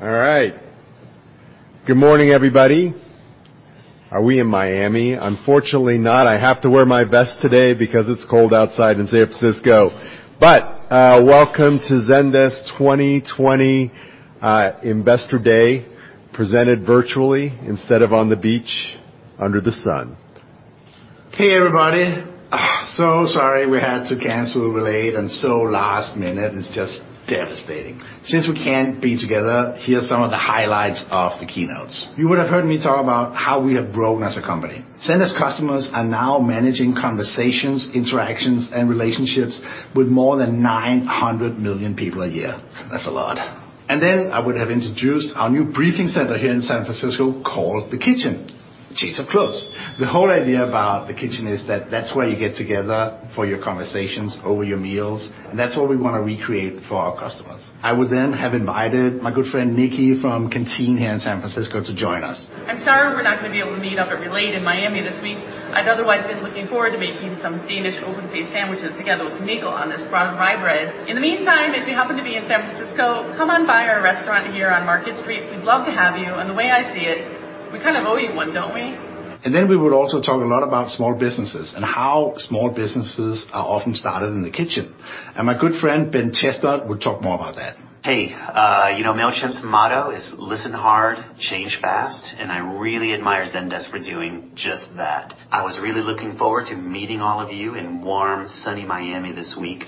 All right. Good morning, everybody. Are we in Miami? Unfortunately not. I have to wear my vest today because it's cold outside in San Francisco. Welcome to Zendesk 2020 Investor Day, presented virtually instead of on the beach under the sun. Hey, everybody. So sorry we had to cancel Relate and so last minute. It's just devastating. Since we can't be together, here are some of the highlights of the keynotes. You would have heard me talk about how we have grown as a company. Zendesk customers are now managing conversations, interactions, and relationships with more than 900 million people a year. That's a lot. Then I would have introduced our new briefing center here in San Francisco called the Kitchen. Sheets are close. The whole idea about the Kitchen is that that's where you get together for your conversations over your meals, and that's what we want to recreate for our customers. I would then have invited my good friend Nikki from Canteen here in San Francisco to join us. I'm sorry we're not going to be able to meet up at Relate in Miami this week. I'd otherwise been looking forward to making some Danish open-faced sandwiches together with Mikkel on this brown rye bread. In the meantime, if you happen to be in San Francisco, come on by our restaurant here on Market Street. We'd love to have you, and the way I see it, we kind of owe you one, don't we? We would also talk a lot about small businesses and how small businesses are often started in the kitchen. My good friend Ben Chestnut would talk more about that. Hey. Mailchimp's motto is "Listen hard, change fast," and I really admire Zendesk for doing just that. I was really looking forward to meeting all of you in warm, sunny Miami this week.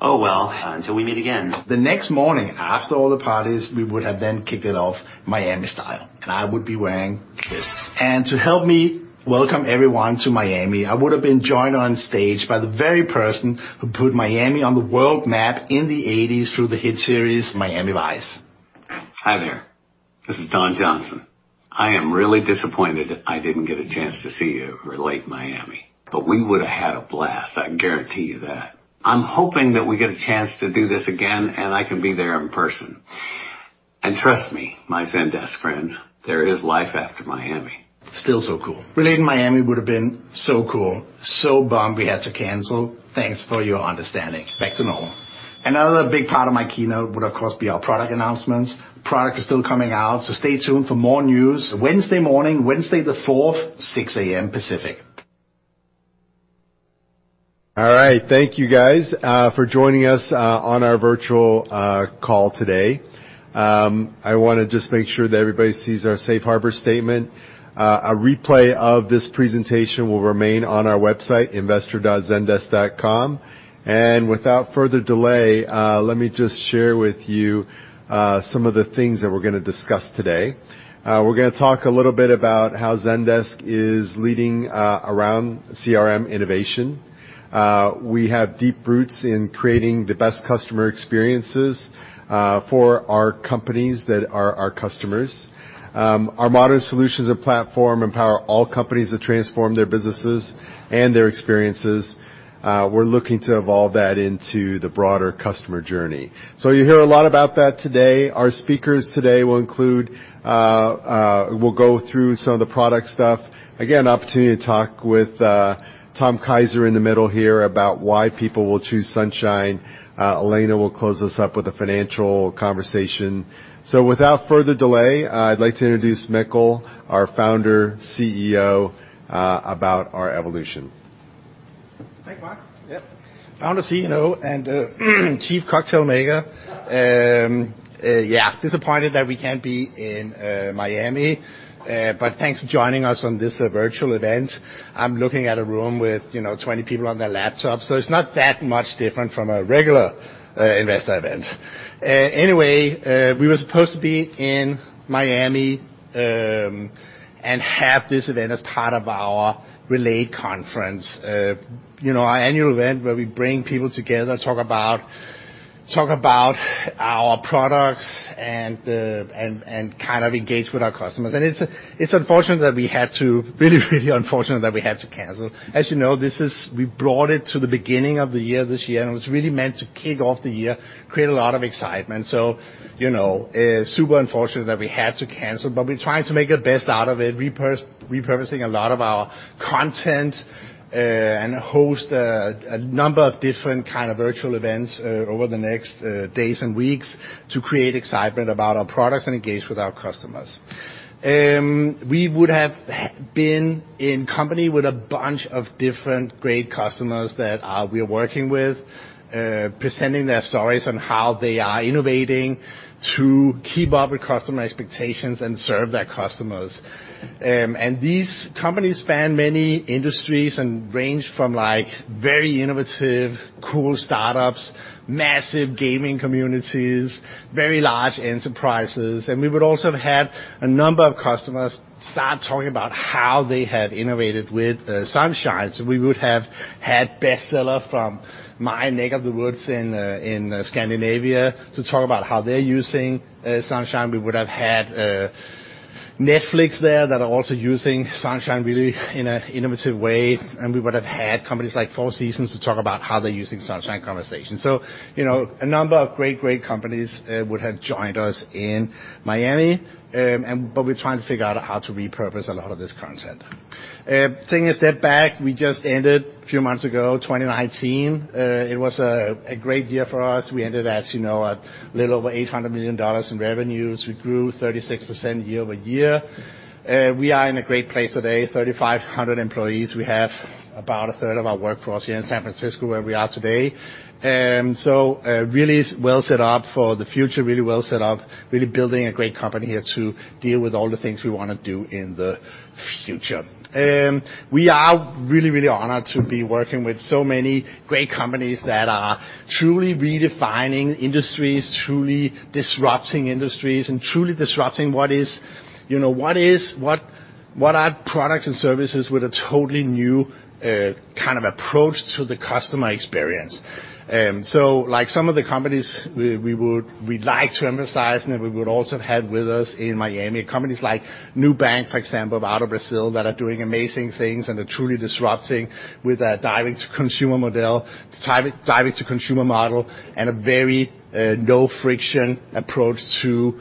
Oh, well, until we meet again. The next morning, after all the parties, we would have then kicked it off Miami style. I would be wearing this. To help me welcome everyone to Miami, I would have been joined on stage by the very person who put Miami on the world map in the '80s through the hit series "Miami Vice". Hi there. This is Don Johnson. I am really disappointed that I didn't get a chance to see you at Relate Miami. We would've had a blast, I can guarantee you that. I'm hoping that we get a chance to do this again, and I can be there in person. Trust me, my Zendesk friends, there is life after Miami. Still so cool. Relate Miami would have been so cool. Bummed we had to cancel. Thanks for your understanding. Back to normal. Another big part of my keynote would, of course, be our product announcements. Products are still coming out, so stay tuned for more news Wednesday morning, Wednesday the 4th, 6:00 A.M. Pacific. All right. Thank you guys for joining us on our virtual call today. I want to just make sure that everybody sees our safe harbor statement. A replay of this presentation will remain on our website, investor.zendesk.com. Without further delay, let me just share with you some of the things that we're going to discuss today. We're going to talk a little bit about how Zendesk is leading around CRM innovation. We have deep roots in creating the best customer experiences for our companies that are our customers. Our modern solutions and platform empower all companies to transform their businesses and their experiences. We're looking to evolve that into the broader customer journey. You'll hear a lot about that today. Our speakers today will go through some of the product stuff. Again, opportunity to talk with Tom Keiser in the middle here about why people will choose Sunshine. Elena will close us up with a financial conversation. Without further delay, I'd like to introduce Mikkel, our founder, CEO, about our evolution. Thanks, Mark. Yep. Founder, CEO, and chief cocktail maker. Yeah. Disappointed that we can't be in Miami, thanks for joining us on this virtual event. I'm looking at a room with 20 people on their laptops, it's not that much different from a regular investor event. Anyway, we were supposed to be in Miami, have this event as part of our Relate conference. Our annual event where we bring people together, talk about our products, kind of engage with our customers. It's unfortunate that we had to, really unfortunate that we had to cancel. As you know, we brought it to the beginning of the year this year, it was really meant to kick off the year, create a lot of excitement. Super unfortunate that we had to cancel, but we're trying to make the best out of it, repurposing a lot of our content, and host a number of different kind of virtual events over the next days and weeks to create excitement about our products and engage with our customers. We would have been in company with a bunch of different great customers that we are working with, presenting their stories on how they are innovating to keep up with customer expectations and serve their customers. These companies span many industries and range from very innovative, cool startups, massive gaming communities, very large enterprises. We would also have had a number of customers start talking about how they have innovated with Sunshine. We would have had Bestseller from my neck of the woods in Scandinavia to talk about how they're using Sunshine. We would have had Netflix there that are also using Sunshine really in an innovative way. We would have had companies like Four Seasons to talk about how they're using Sunshine Conversations. A number of great companies would have joined us in Miami, but we're trying to figure out how to repurpose a lot of this content. Taking a step back, we just ended a few months ago, 2019. It was a great year for us. We ended at a little over $800 million in revenues. We grew 36% year-over-year. We are in a great place today. 3,500 employees. We have about a third of our workforce here in San Francisco where we are today. Really well set up for the future, really building a great company here to deal with all the things we want to do in the future. We are really honored to be working with so many great companies that are truly redefining industries, truly disrupting industries, and truly disrupting what are products and services with a totally new approach to the customer experience. Some of the companies we'd like to emphasize, and we would also have had with us in Miami, are companies like Nubank, for example, out of Brazil, that are doing amazing things and are truly disrupting with their direct-to-consumer model, and a very low-friction approach to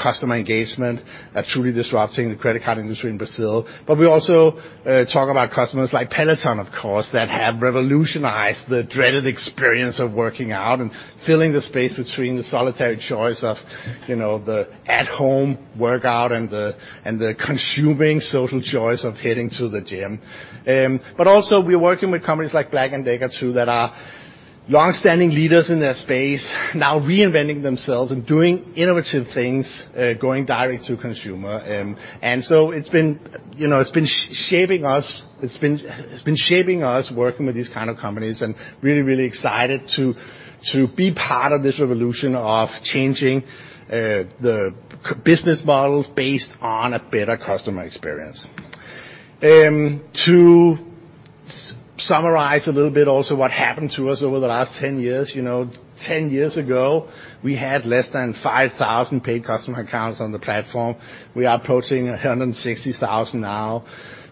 customer engagement, are truly disrupting the credit card industry in Brazil. We also talk about customers like Peloton, of course, that have revolutionized the dreaded experience of working out and filling the space between the solitary choice of the at-home workout, and the consuming social choice of heading to the gym. Also, we're working with companies like Black & Decker, too, that are longstanding leaders in their space now reinventing themselves and doing innovative things, going direct to consumer. It's been shaping us working with these kind of companies, and really excited to be part of this revolution of changing the business models based on a better customer experience. To summarize a little bit also what happened to us over the last 10 years. Ten years ago, we had less than 5,000 paid customer accounts on the platform. We are approaching 160,000 now.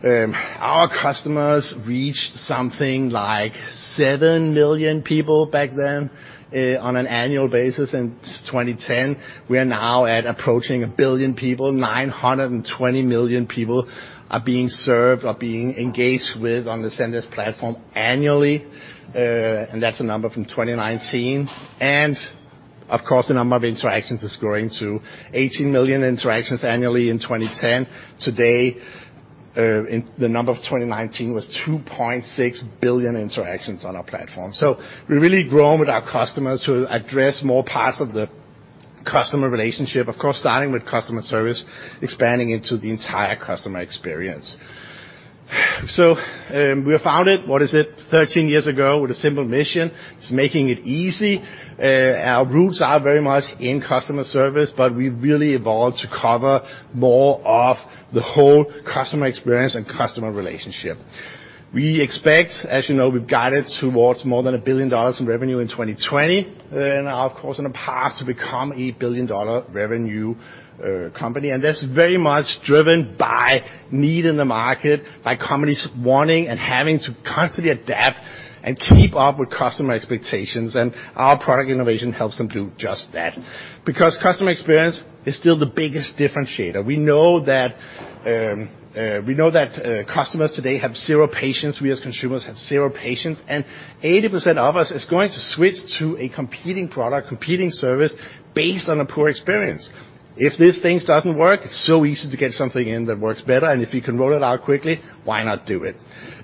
Our customers reached something like seven million people back then on an annual basis in 2010. We are now approaching a billion people. 920 million people are being served or being engaged with on the Zendesk platform annually. That's a number from 2019. Of course, the number of interactions is growing, too. 18 million interactions annually in 2010. Today, the number for 2019 was 2.6 billion interactions on our platform. We're really growing with our customers to address more parts of the customer relationship. Of course, starting with customer service, expanding into the entire customer experience. We were founded, what is it, 13 years ago with a simple mission, is making it easy. Our roots are very much in customer service, but we've really evolved to cover more of the whole customer experience and customer relationship. We expect, as you know, we've guided towards more than $1 billion in revenue in 2020, and of course, on a path to become a billion-dollar revenue company. That's very much driven by need in the market, by companies wanting and having to constantly adapt and keep up with customer expectations. Our product innovation helps them do just that. Because customer experience is still the biggest differentiator. We know that customers today have zero patience. We, as consumers, have zero patience, and 80% of us are going to switch to a competing product, competing service, based on a poor experience. If this thing doesn't work, it's so easy to get something in that works better. If you can roll it out quickly, why not do it?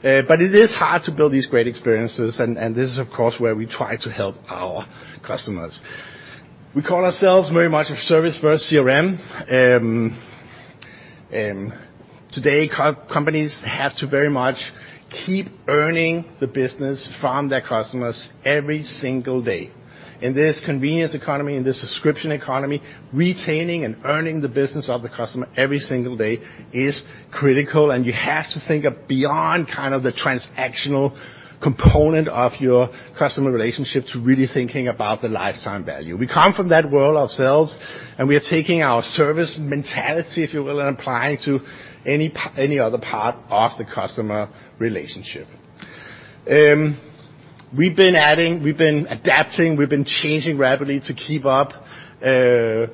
It is hard to build these great experiences, and this is, of course, where we try to help our customers. We call ourselves very much a service-first CRM. Today, companies have to very much keep earning the business from their customers every single day. In this convenience economy, in this subscription economy, retaining and earning the business of the customer every single day is critical, and you have to think beyond the transactional component of your customer relationship to really thinking about the lifetime value. We come from that world ourselves, and we are taking our service mentality, if you will, and applying to any other part of the customer relationship. We've been adding, we've been adapting, we've been changing rapidly to keep up with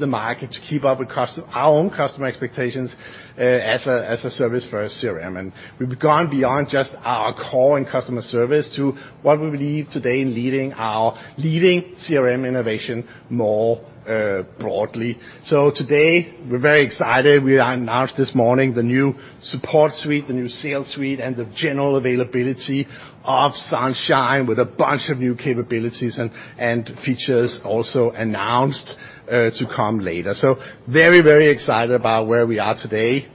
the market, to keep up with our own customer expectations as a service-first CRM. We've gone beyond just our core and customer service to what we believe today in leading CRM innovation more broadly. Today, we're very excited. We announced this morning the new Zendesk Support Suite, the new Zendesk Sales Suite, and the general availability of Zendesk Sunshine with a bunch of new capabilities and features also announced to come later. Very, very excited about where we are today.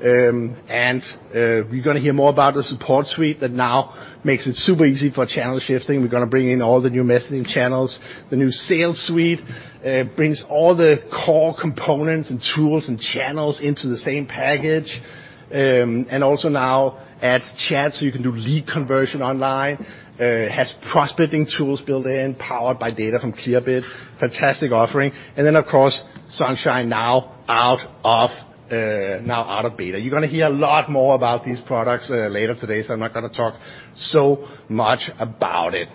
You're going to hear more about the Zendesk Support Suite that now makes it super easy for channel shifting. We're going to bring in all the new messaging channels. The new Zendesk Sales Suite brings all the core components and tools and channels into the same package. Also now adds Zendesk Chat, so you can do lead conversion online. Has prospecting tools built in, powered by data from Clearbit. Fantastic offering. Of course, Zendesk Sunshine now out of beta. You're going to hear a lot more about these products later today. I'm not going to talk so much about it.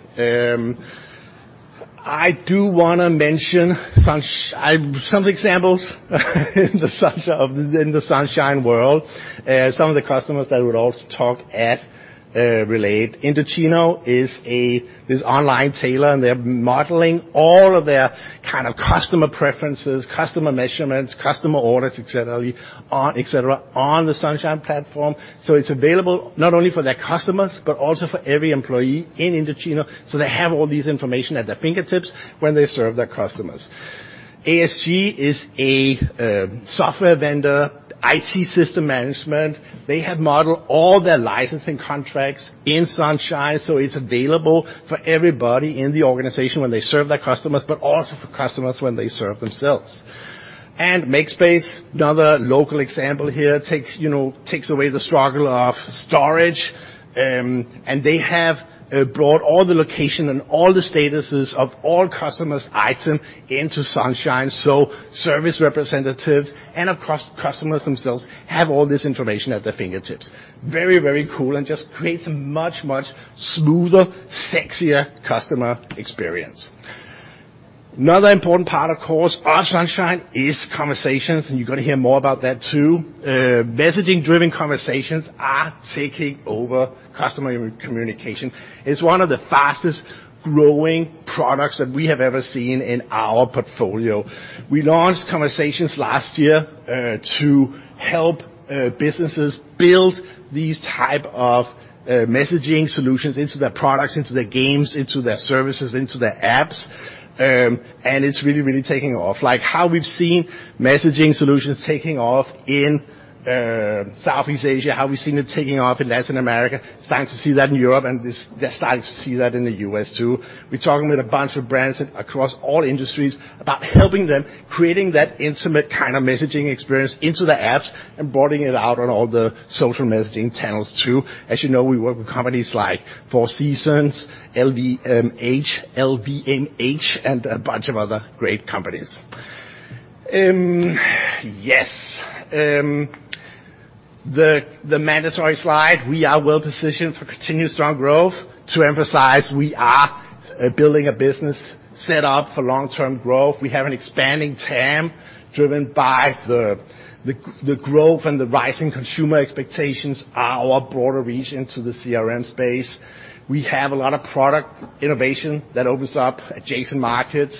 I do want to mention some examples in the Sunshine world. Some of the customers that would also talk at Relate. Indochino is this online tailor. They're modeling all of their customer preferences, customer measurements, customer orders, et cetera, on the Sunshine platform. It's available not only for their customers but also for every employee in Indochino. They have all this information at their fingertips when they serve their customers. ASC is a software vendor, IT system management. They have modeled all their licensing contracts in Sunshine. It's available for everybody in the organization when they serve their customers, also for customers when they serve themselves. MakeSpace, another local example here, takes away the struggle of storage. They have brought all the location and all the statuses of all customers' item into Sunshine. Service representatives and of course customers themselves have all this information at their fingertips. Very cool, and just creates a much smoother, sexier customer experience. Another important part, of course, of Sunshine is Conversations, and you're going to hear more about that, too. Messaging-driven conversations are taking over customer communication. It's one of the fastest-growing products that we have ever seen in our portfolio. We launched Conversations last year to help businesses build these type of messaging solutions into their products, into their games, into their services, into their apps. It's really taking off. Like how we've seen messaging solutions taking off in Southeast Asia, how we've seen them taking off in Latin America, starting to see that in Europe, and they're starting to see that in the U.S. too. We're talking with a bunch of brands across all industries about helping them creating that intimate kind of messaging experience into their apps and broadening it out on all the social messaging channels, too. As you know, we work with companies like Four Seasons, LVMH, and a bunch of other great companies. Yes. The mandatory slide. To emphasize, we are building a business set up for long-term growth. We have an expanding TAM driven by the growth and the rising consumer expectations, our broader reach into the CRM space. We have a lot of product innovation that opens up adjacent markets.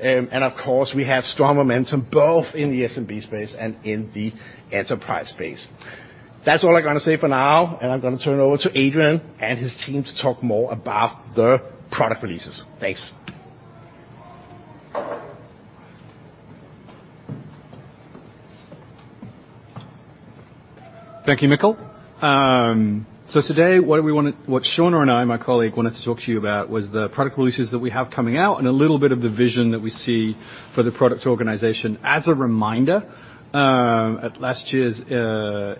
Of course, we have strong momentum both in the SMB space and in the enterprise space. That's all I'm going to say for now, and I'm going to turn it over to Adrian and his team to talk more about the product releases. Thanks. Thank you, Mikkel. Today what Shawna or I, my colleague, wanted to talk to you about was the product releases that we have coming out and a little bit of the vision that we see for the product organization. As a reminder, at last year's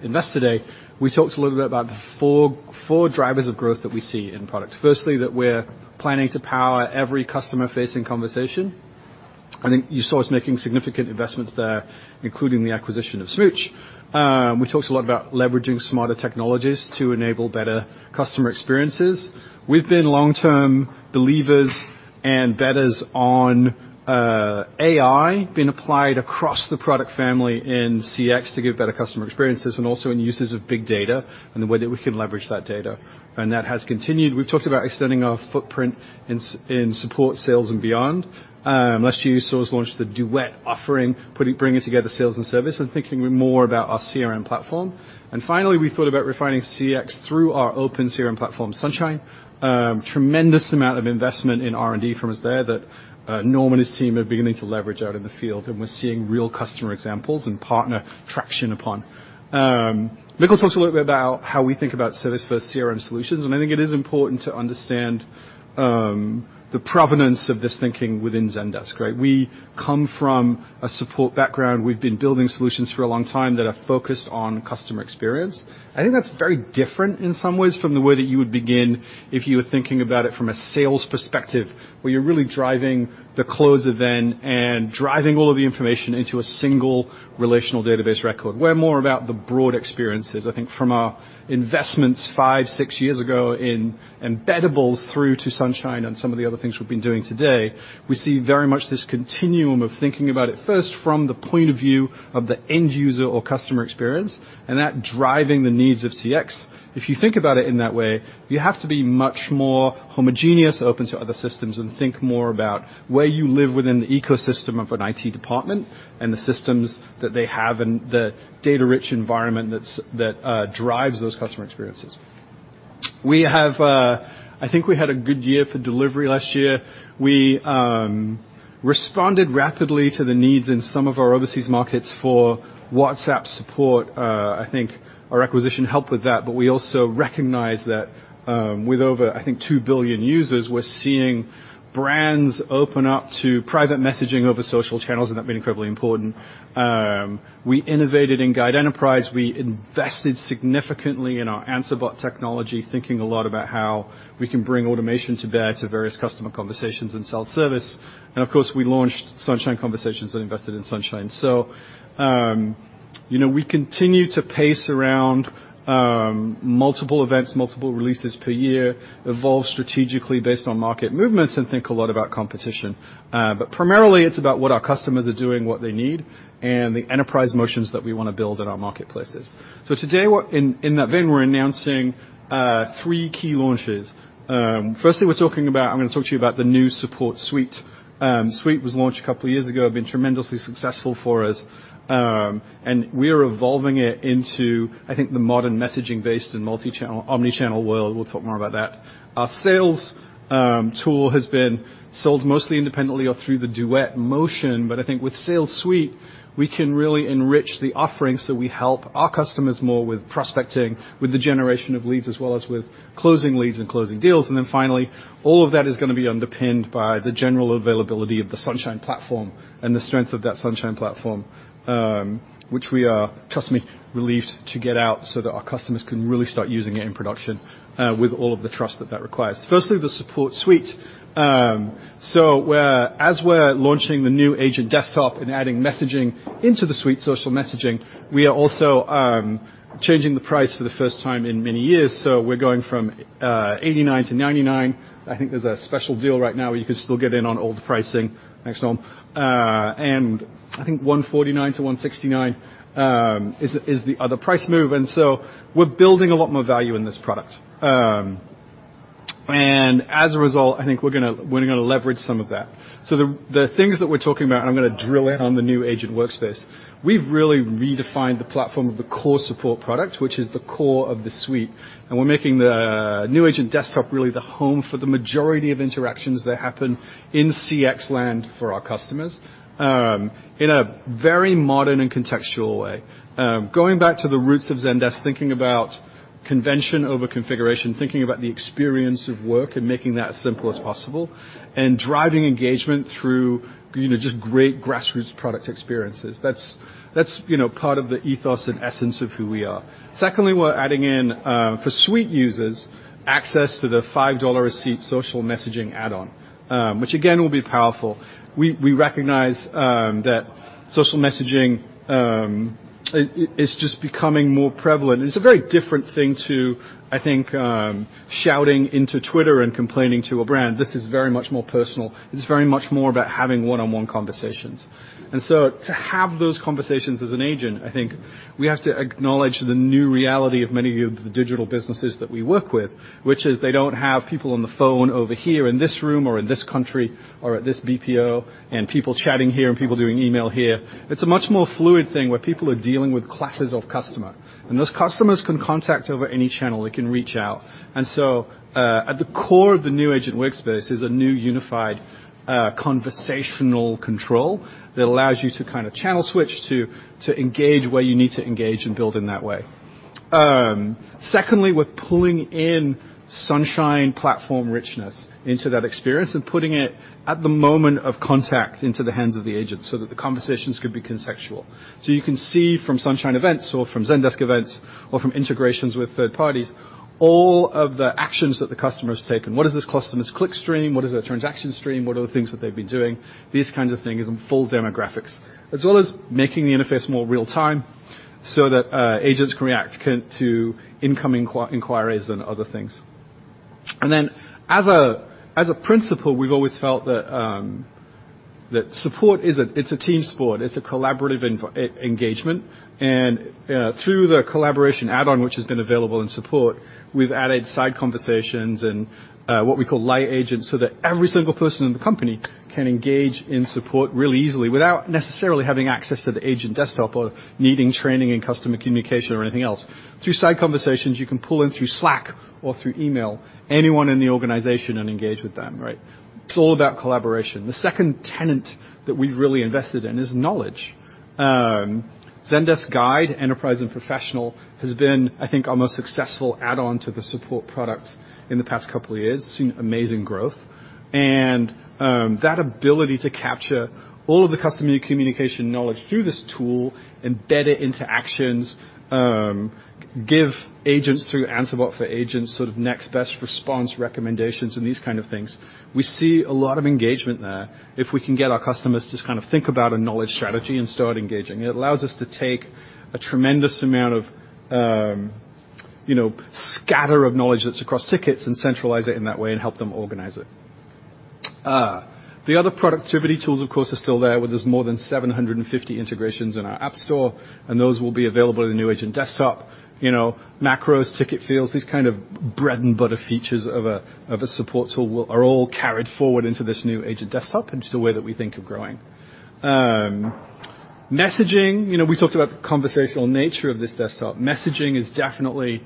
Investor Day, we talked a little bit about the four drivers of growth that we see in product. Firstly, that we're planning to power every customer-facing conversation. You saw us making significant investments there, including the acquisition of Smooch. We talked a lot about leveraging smarter technologies to enable better customer experiences. We've been long-term believers and betters on AI being applied across the product family in CX to give better customer experiences, and also in uses of big data and the way that we can leverage that data. That has continued. We've talked about extending our footprint in support sales and beyond. Last year, you saw us launch the Zendesk Duet offering, bringing together sales and service, and thinking more about our CRM platform. Finally, we thought about refining CX through our open CRM platform, Zendesk Sunshine. Tremendous amount of investment in R&D from us there that Norm and his team are beginning to leverage out in the field, and we're seeing real customer examples and partner traction upon. Mikkel talked a little bit about how we think about service-first CRM solutions, and I think it is important to understand the provenance of this thinking within Zendesk, right? We come from a support background. We've been building solutions for a long time that are focused on customer experience. I think that's very different in some ways from the way that you would begin if you were thinking about it from a sales perspective, where you're really driving the close event and driving all of the information into a single relational database record. We're more about the broad experiences. I think from our investments five, six years ago in embeddables through to Sunshine and some of the other things we've been doing today, we see very much this continuum of thinking about it first from the point of view of the end user or customer experience, and that driving the needs of CX. If you think about it in that way, you have to be much more homogeneous, open to other systems, and think more about where you live within the ecosystem of an IT department and the systems that they have and the data-rich environment that drives those customer experiences. I think we had a good year for delivery last year. We responded rapidly to the needs in some of our overseas markets for WhatsApp support. I think our acquisition helped with that. We also recognize that with over, I think two billion users, we're seeing brands open up to private messaging over social channels, and that being incredibly important. We innovated in Guide Enterprise. We invested significantly in our Answer Bot technology, thinking a lot about how we can bring automation to bear to various customer conversations and self-service. Of course, we launched Sunshine Conversations and invested in Sunshine. We continue to pace around multiple events, multiple releases per year, evolve strategically based on market movements, and think a lot about competition. Primarily, it's about what our customers are doing, what they need, and the enterprise motions that we want to build in our marketplaces. Today, in that vein, we're announcing three key launches. Firstly, I'm going to talk to you about the new Support Suite. Suite was launched a couple of years ago, have been tremendously successful for us, and we are evolving it into, I think, the modern messaging-based and omnichannel world. We'll talk more about that. Our sales tool has been sold mostly independently or through the Duet motion, but I think with Sales Suite, we can really enrich the offerings that we help our customers more with prospecting, with the generation of leads, as well as with closing leads and closing deals. Finally, all of that is going to be underpinned by the general availability of the Sunshine platform and the strength of that Sunshine platform, which we are, trust me, relieved to get out so that our customers can really start using it in production with all of the trust that that requires. Firstly, the Support Suite. As we're launching the new agent desktop and adding messaging into the Suite social messaging, we are also changing the price for the first time in many years. We're going from $89-$99. I think there's a special deal right now where you can still get in on all the pricing. Thanks, Norm. I think $149-$169 is the other price move. We're building a lot more value in this product. As a result, I think we're going to leverage some of that. The things that we're talking about, and I'm going to drill in on the new Agent Workspace. We've really redefined the platform of the core Support product, which is the core of the Suite. We're making the new Agent Desktop really the home for the majority of interactions that happen in CX land for our customers in a very modern and contextual way. Going back to the roots of Zendesk, thinking about convention over configuration, thinking about the experience of work and making that as simple as possible, and driving engagement through just great grassroots product experiences. That's part of the ethos and essence of who we are. Secondly, we're adding in, for Suite users, access to the $5 a seat social messaging add-on, which again, will be powerful. We recognize that social messaging is just becoming more prevalent, and it's a very different thing to, I think, shouting into Twitter and complaining to a brand. This is very much more personal. It's very much more about having one-on-one conversations. To have those conversations as an agent, I think we have to acknowledge the new reality of many of the digital businesses that we work with, which is they don't have people on the phone over here in this room or in this country or at this BPO and people chatting here and people doing email here. It's a much more fluid thing where people are dealing with classes of customer, and those customers can contact over any channel. They can reach out. At the core of the new agent workspace is a new unified conversational control that allows you to kind of channel switch to engage where you need to engage and build in that way. Secondly, we're pulling in Sunshine platform richness into that experience and putting it at the moment of contact into the hands of the agent so that the conversations can be contextual. You can see from Sunshine events or from Zendesk events or from integrations with third parties, all of the actions that the customer has taken. What is this customer's click stream? What is their transaction stream? What are the things that they've been doing? These kinds of things and full demographics, as well as making the interface more real time so that agents can react to incoming inquiries and other things. As a principle, we've always felt that Support is a team sport. It's a collaborative engagement. Through the collaboration add-on, which has been available in Support, we've added side conversations and what we call light agents so that every single person in the company can engage in Support really easily without necessarily having access to the agent desktop or needing training in customer communication or anything else. Through side conversations, you can pull in through Slack or through email, anyone in the organization and engage with them. It's all about collaboration. The second tenet that we've really invested in is knowledge. Zendesk Guide, Enterprise, and Professional has been, I think, our most successful add-on to the Support product in the past couple of years, seen amazing growth. That ability to capture all of the customer communication knowledge through this tool, embed it into actions, give agents through Answer Bot for agents sort of next best response recommendations and these kind of things. We see a lot of engagement there if we can get our customers to just kind of think about a knowledge strategy and start engaging. It allows us to take a tremendous amount of scatter of knowledge that's across tickets and centralize it in that way and help them organize it. The other productivity tools, of course, are still there, where there's more than 750 integrations in our App Store, and those will be available in the new agent desktop. Macros, ticket fields, these kind of bread and butter features of a support tool are all carried forward into this new agent desktop into the way that we think of growing. Messaging. We talked about the conversational nature of this Zendesk. Messaging is definitely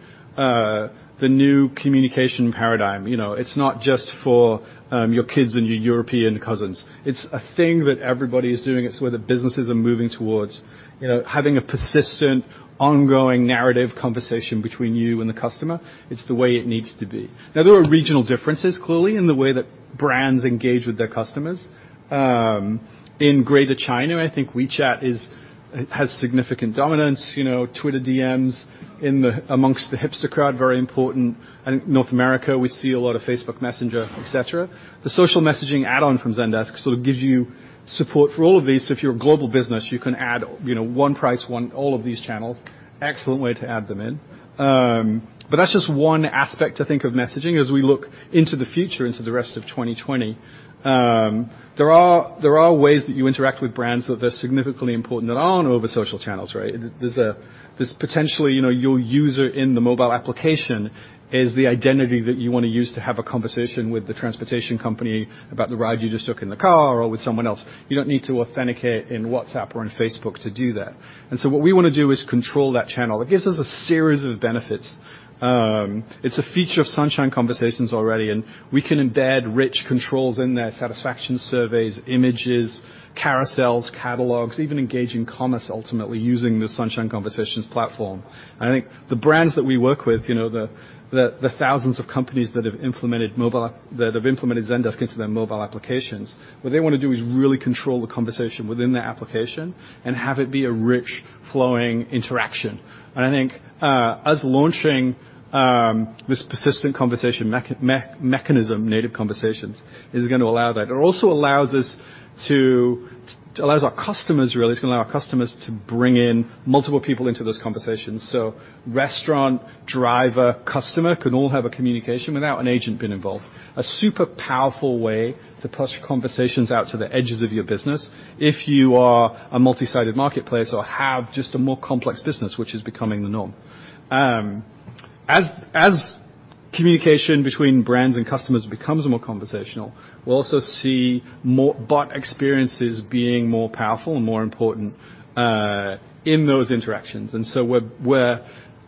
the new communication paradigm. It's not just for your kids and your European cousins. It's a thing that everybody is doing. It's where the businesses are moving towards. Having a persistent, ongoing narrative conversation between you and the customer, it's the way it needs to be. There are regional differences clearly in the way that brands engage with their customers. In Greater China, I think WeChat has significant dominance. Twitter DMs amongst the hipster crowd, very important. I think North America, we see a lot of Facebook Messenger, et cetera. The social messaging add-on from Zendesk sort of gives you support for all of these. If you're a global business, you can add one price, all of these channels. Excellent way to add them in. That's just one aspect I think of messaging as we look into the future, into the rest of 2020. There are ways that you interact with brands that are significantly important that aren't over social channels, right? There's potentially, your user in the mobile application is the identity that you want to use to have a conversation with the transportation company about the ride you just took in the car or with someone else. You don't need to authenticate in WhatsApp or in Facebook to do that. What we want to do is control that channel. It gives us a series of benefits. It's a feature of Sunshine Conversations already, and we can embed rich controls in there, satisfaction surveys, images, carousels, catalogs, even engage in commerce, ultimately using the Sunshine Conversations platform. I think the brands that we work with, the thousands of companies that have implemented Zendesk into their mobile applications, what they want to do is really control the conversation within the application and have it be a rich, flowing interaction. I think us launching this persistent conversation mechanism, native conversations, is going to allow that. It also allows our customers to bring in multiple people into those conversations. Restaurant, driver, customer can all have a communication without an agent being involved. A super powerful way to push conversations out to the edges of your business if you are a multi-sided marketplace or have just a more complex business, which is becoming the norm. As communication between brands and customers becomes more conversational, we'll also see bot experiences being more powerful and more important in those interactions. We're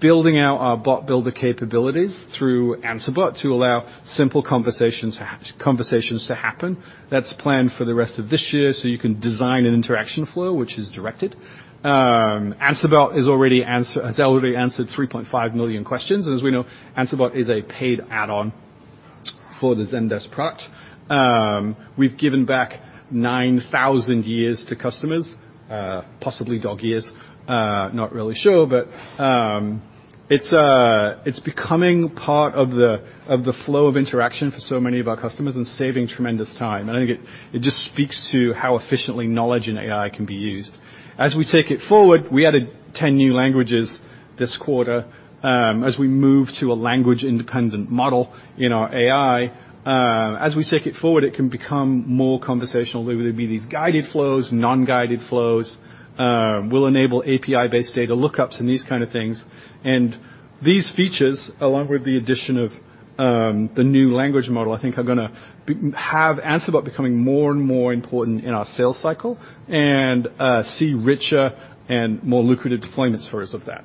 building out our bot builder capabilities through Answer Bot to allow simple conversations to happen. That's planned for the rest of this year, so you can design an interaction flow, which is directed. Answer Bot has already answered 3.5 million questions, and as we know, Answer Bot is a paid add-on for the Zendesk product. We've given back 9,000 years to customers, possibly dog years, not really sure. It's becoming part of the flow of interaction for so many of our customers and saving tremendous time, and I think it just speaks to how efficiently knowledge and AI can be used. As we take it forward, we added 10 new languages this quarter as we move to a language-independent model in our AI. As we take it forward, it can become more conversational, whether they be these guided flows, non-guided flows. We'll enable API-based data lookups and these kind of things. These features, along with the addition of the new language model, I think are going to have Answer Bot becoming more and more important in our sales cycle and see richer and more lucrative deployment stories of that.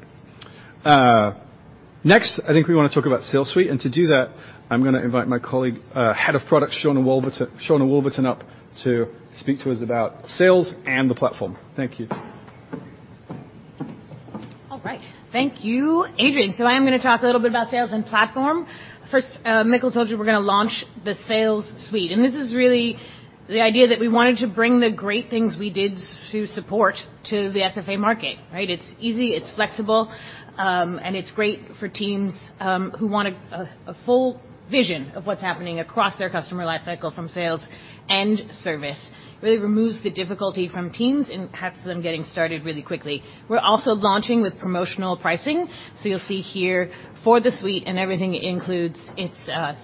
Next, I think we want to talk about Sales Suite, and to do that, I'm going to invite my colleague, Head of Product, Shawna Wolverton, up to speak to us about sales and the platform. Thank you. All right. Thank you, Adrian. I am going to talk a little bit about sales and platform. First, Mikkel told you we're going to launch the Sales Suite. This is really the idea that we wanted to bring the great things we did to support to the SFA market, right? It's easy, it's flexible, and it's great for teams who want a full vision of what's happening across their customer life cycle from sales and service. It really removes the difficulty from teams and helps them getting started really quickly. We're also launching with promotional pricing. You'll see here for the suite and everything it includes, it's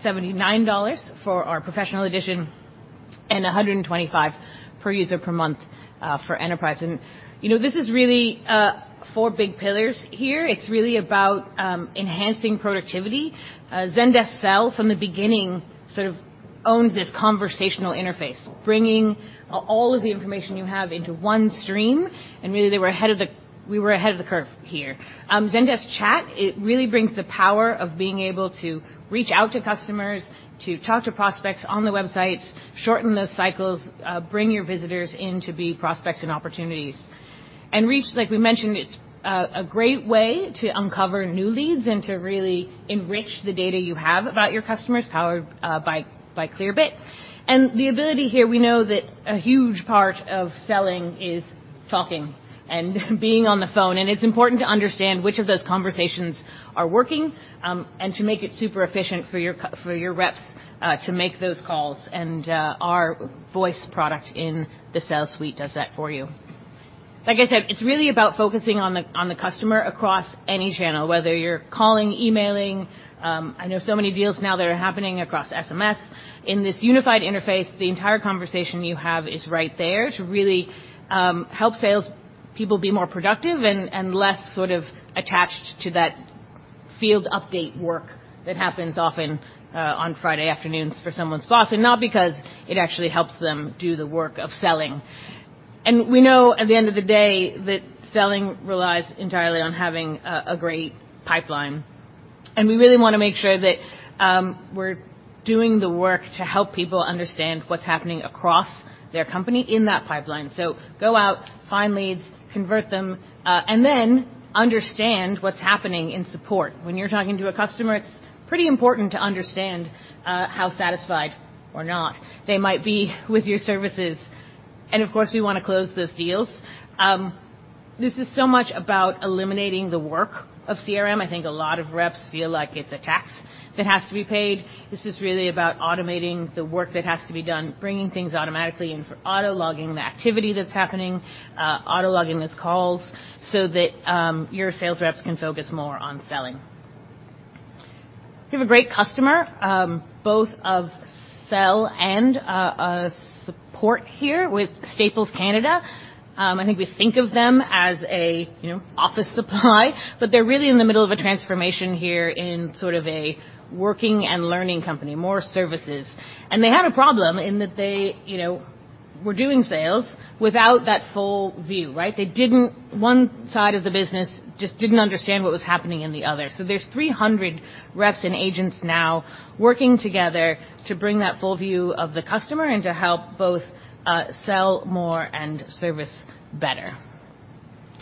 $79 for our professional edition and $125 per user per month for enterprise. This is really four big pillars here. It's really about enhancing productivity. Zendesk Sell, from the beginning, sort of owns this conversational interface, bringing all of the information you have into one stream, really we were ahead of the curve here. Zendesk Chat, it really brings the power of being able to reach out to customers, to talk to prospects on the websites, shorten those cycles, bring your visitors in to be prospects and opportunities. Reach, like we mentioned, it's a great way to uncover new leads and to really enrich the data you have about your customers, powered by Clearbit. The ability here, we know that a huge part of selling is talking and being on the phone, and it's important to understand which of those conversations are working, and to make it super efficient for your reps to make those calls. Our voice product in the Sales Suite does that for you. Like I said, it's really about focusing on the customer across any channel, whether you're calling, emailing. I know so many deals now that are happening across SMS. In this unified interface, the entire conversation you have is right there to really help salespeople be more productive and less sort of attached to that field update work that happens often on Friday afternoons for someone's boss, and not because it actually helps them do the work of selling. We know at the end of the day that selling relies entirely on having a great pipeline. We really want to make sure that we're doing the work to help people understand what's happening across their company in that pipeline. Go out, find leads, convert them, and then understand what's happening in support. When you're talking to a customer, it's pretty important to understand how satisfied or not they might be with your services. Of course, we want to close those deals. This is so much about eliminating the work of CRM. I think a lot of reps feel like it's a tax that has to be paid. This is really about automating the work that has to be done, bringing things automatically in for auto logging the activity that's happening, auto logging those calls so that your sales reps can focus more on selling. We have a great customer, both of Sell and Support here with Staples Canada. I think we think of them as a office supply. They're really in the middle of a transformation here in sort of a working and learning company, more services. They had a problem in that they were doing sales without that full view, right? One side of the business just didn't understand what was happening in the other. There's 300 reps and agents now working together to bring that full view of the customer and to help both sell more and service better.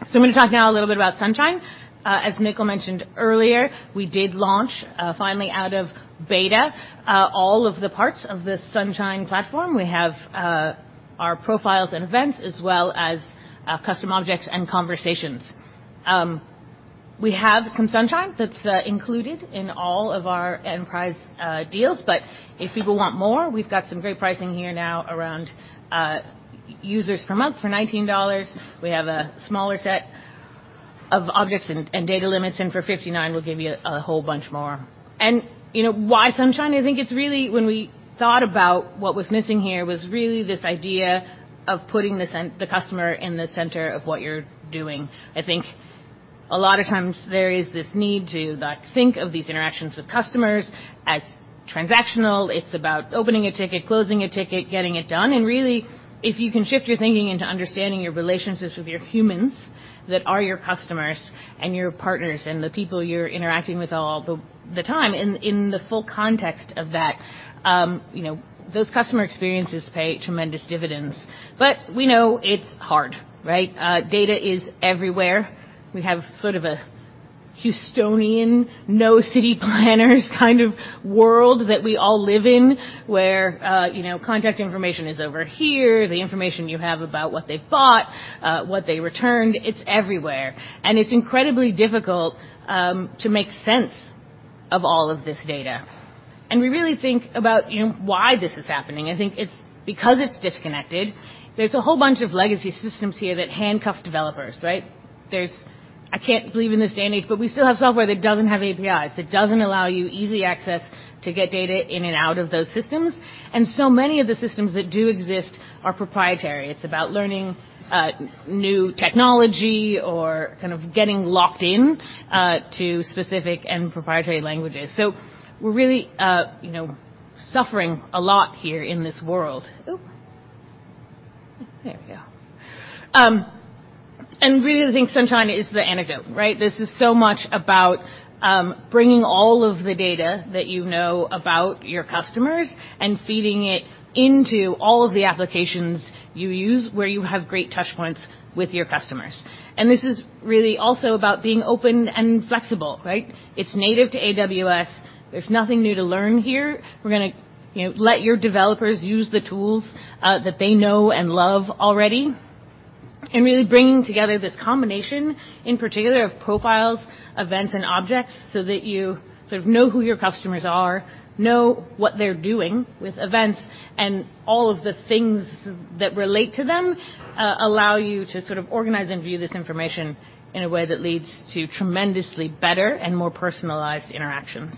I'm going to talk now a little bit about Sunshine. As Mikkel mentioned earlier, we did launch, finally out of beta, all of the parts of the Sunshine platform. We have our profiles and events, as well as custom objects and conversations. We have some Sunshine that's included in all of our enterprise deals, but if people want more, we've got some great pricing here now around users per month for $19. We have a smaller set of objects and data limits, and for $59, we'll give you a whole bunch more. Why Sunshine? I think it's really when we thought about what was missing here was really this idea of putting the customer in the center of what you're doing. I think a lot of times there is this need to think of these interactions with customers as transactional. It's about opening a ticket, closing a ticket, getting it done. Really, if you can shift your thinking into understanding your relationships with your humans that are your customers and your partners and the people you're interacting with all the time in the full context of that, those customer experiences pay tremendous dividends. We know it's hard, right? Data is everywhere. We have sort of a Houstonian, no city planners kind of world that we all live in, where contact information is over here, the information you have about what they've bought, what they returned, it's everywhere. It's incredibly difficult to make sense of all of this data. We really think about why this is happening. I think it's because it's disconnected. There's a whole bunch of legacy systems here that handcuff developers, right? I can't believe in this day and age, but we still have software that doesn't have APIs, that doesn't allow you easy access to get data in and out of those systems. So many of the systems that do exist are proprietary. It's about learning new technology or kind of getting locked in to specific and proprietary languages. We're really suffering a lot here in this world. There we go. We really think Sunshine is the antidote, right? This is so much about bringing all of the data that you know about your customers and feeding it into all of the applications you use, where you have great touch points with your customers. This is really also about being open and flexible, right? It's native to AWS. There's nothing new to learn here. We're going to let your developers use the tools that they know and love already, and really bringing together this combination, in particular of profiles, events, and objects, so that you sort of know who your customers are, know what they're doing with events, and all of the things that relate to them allow you to sort of organize and view this information in a way that leads to tremendously better and more personalized interactions.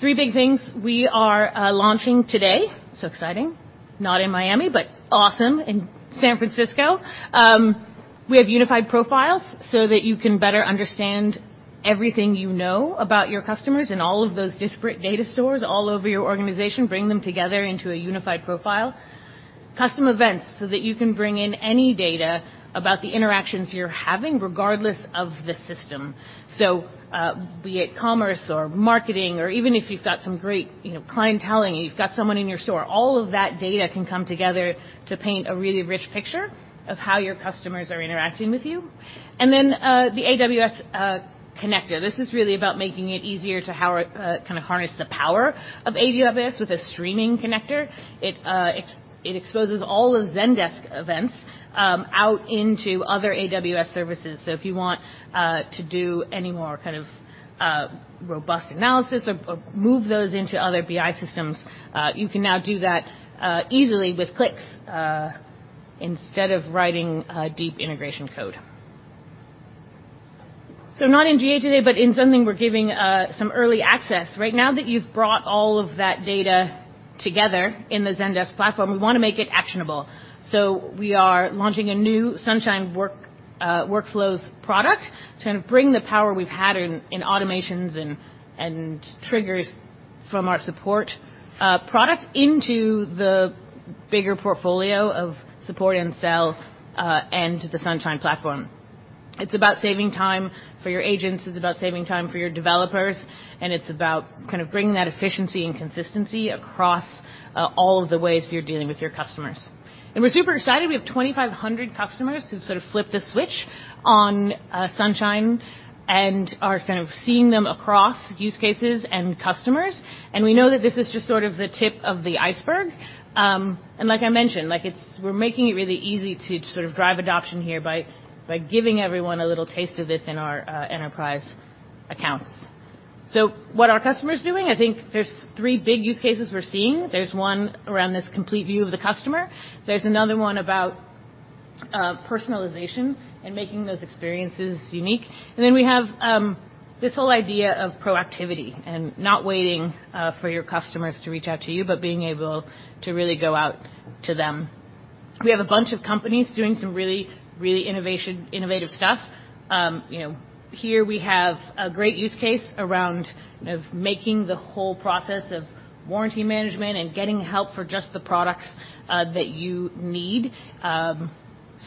Three big things we are launching today, so exciting, not in Miami, but awesome, in San Francisco. We have unified profiles so that you can better understand everything you know about your customers and all of those disparate data stores all over your organization, bring them together into a unified profile. Custom events so that you can bring in any data about the interactions you're having, regardless of the system. Be it commerce or marketing, or even if you've got some great clientele and you've got someone in your store, all of that data can come together to paint a really rich picture of how your customers are interacting with you. The AWS connector. This is really about making it easier to kind of harness the power of AWS with a streaming connector. It exposes all the Zendesk events out into other AWS services. If you want to do any more kind of robust analysis or move those into other BI systems, you can now do that easily with clicks instead of writing deep integration code. Not in GA today, but in something we're giving some early access. Right now that you've brought all of that data together in the Zendesk platform, we want to make it actionable. We are launching a new Sunshine Workflows product to kind of bring the power we've had in automations and triggers from our Support product into the bigger portfolio of Support and Sell and the Sunshine platform. It's about saving time for your agents. It's about saving time for your developers, and it's about kind of bringing that efficiency and consistency across all of the ways you're dealing with your customers. We're super excited. We have 2,500 customers who've sort of flipped the switch on Sunshine and are kind of seeing them across use cases and customers. We know that this is just sort of the tip of the iceberg. Like I mentioned, we're making it really easy to sort of drive adoption here by giving everyone a little taste of this in our enterprise accounts. What are customers doing? I think there's three big use cases we're seeing. There's one around this complete view of the customer. There's another one about personalization and making those experiences unique. We have this whole idea of proactivity and not waiting for your customers to reach out to you, but being able to really go out to them. We have a bunch of companies doing some really innovative stuff. Here we have a great use case around making the whole process of warranty management and getting help for just the products that you need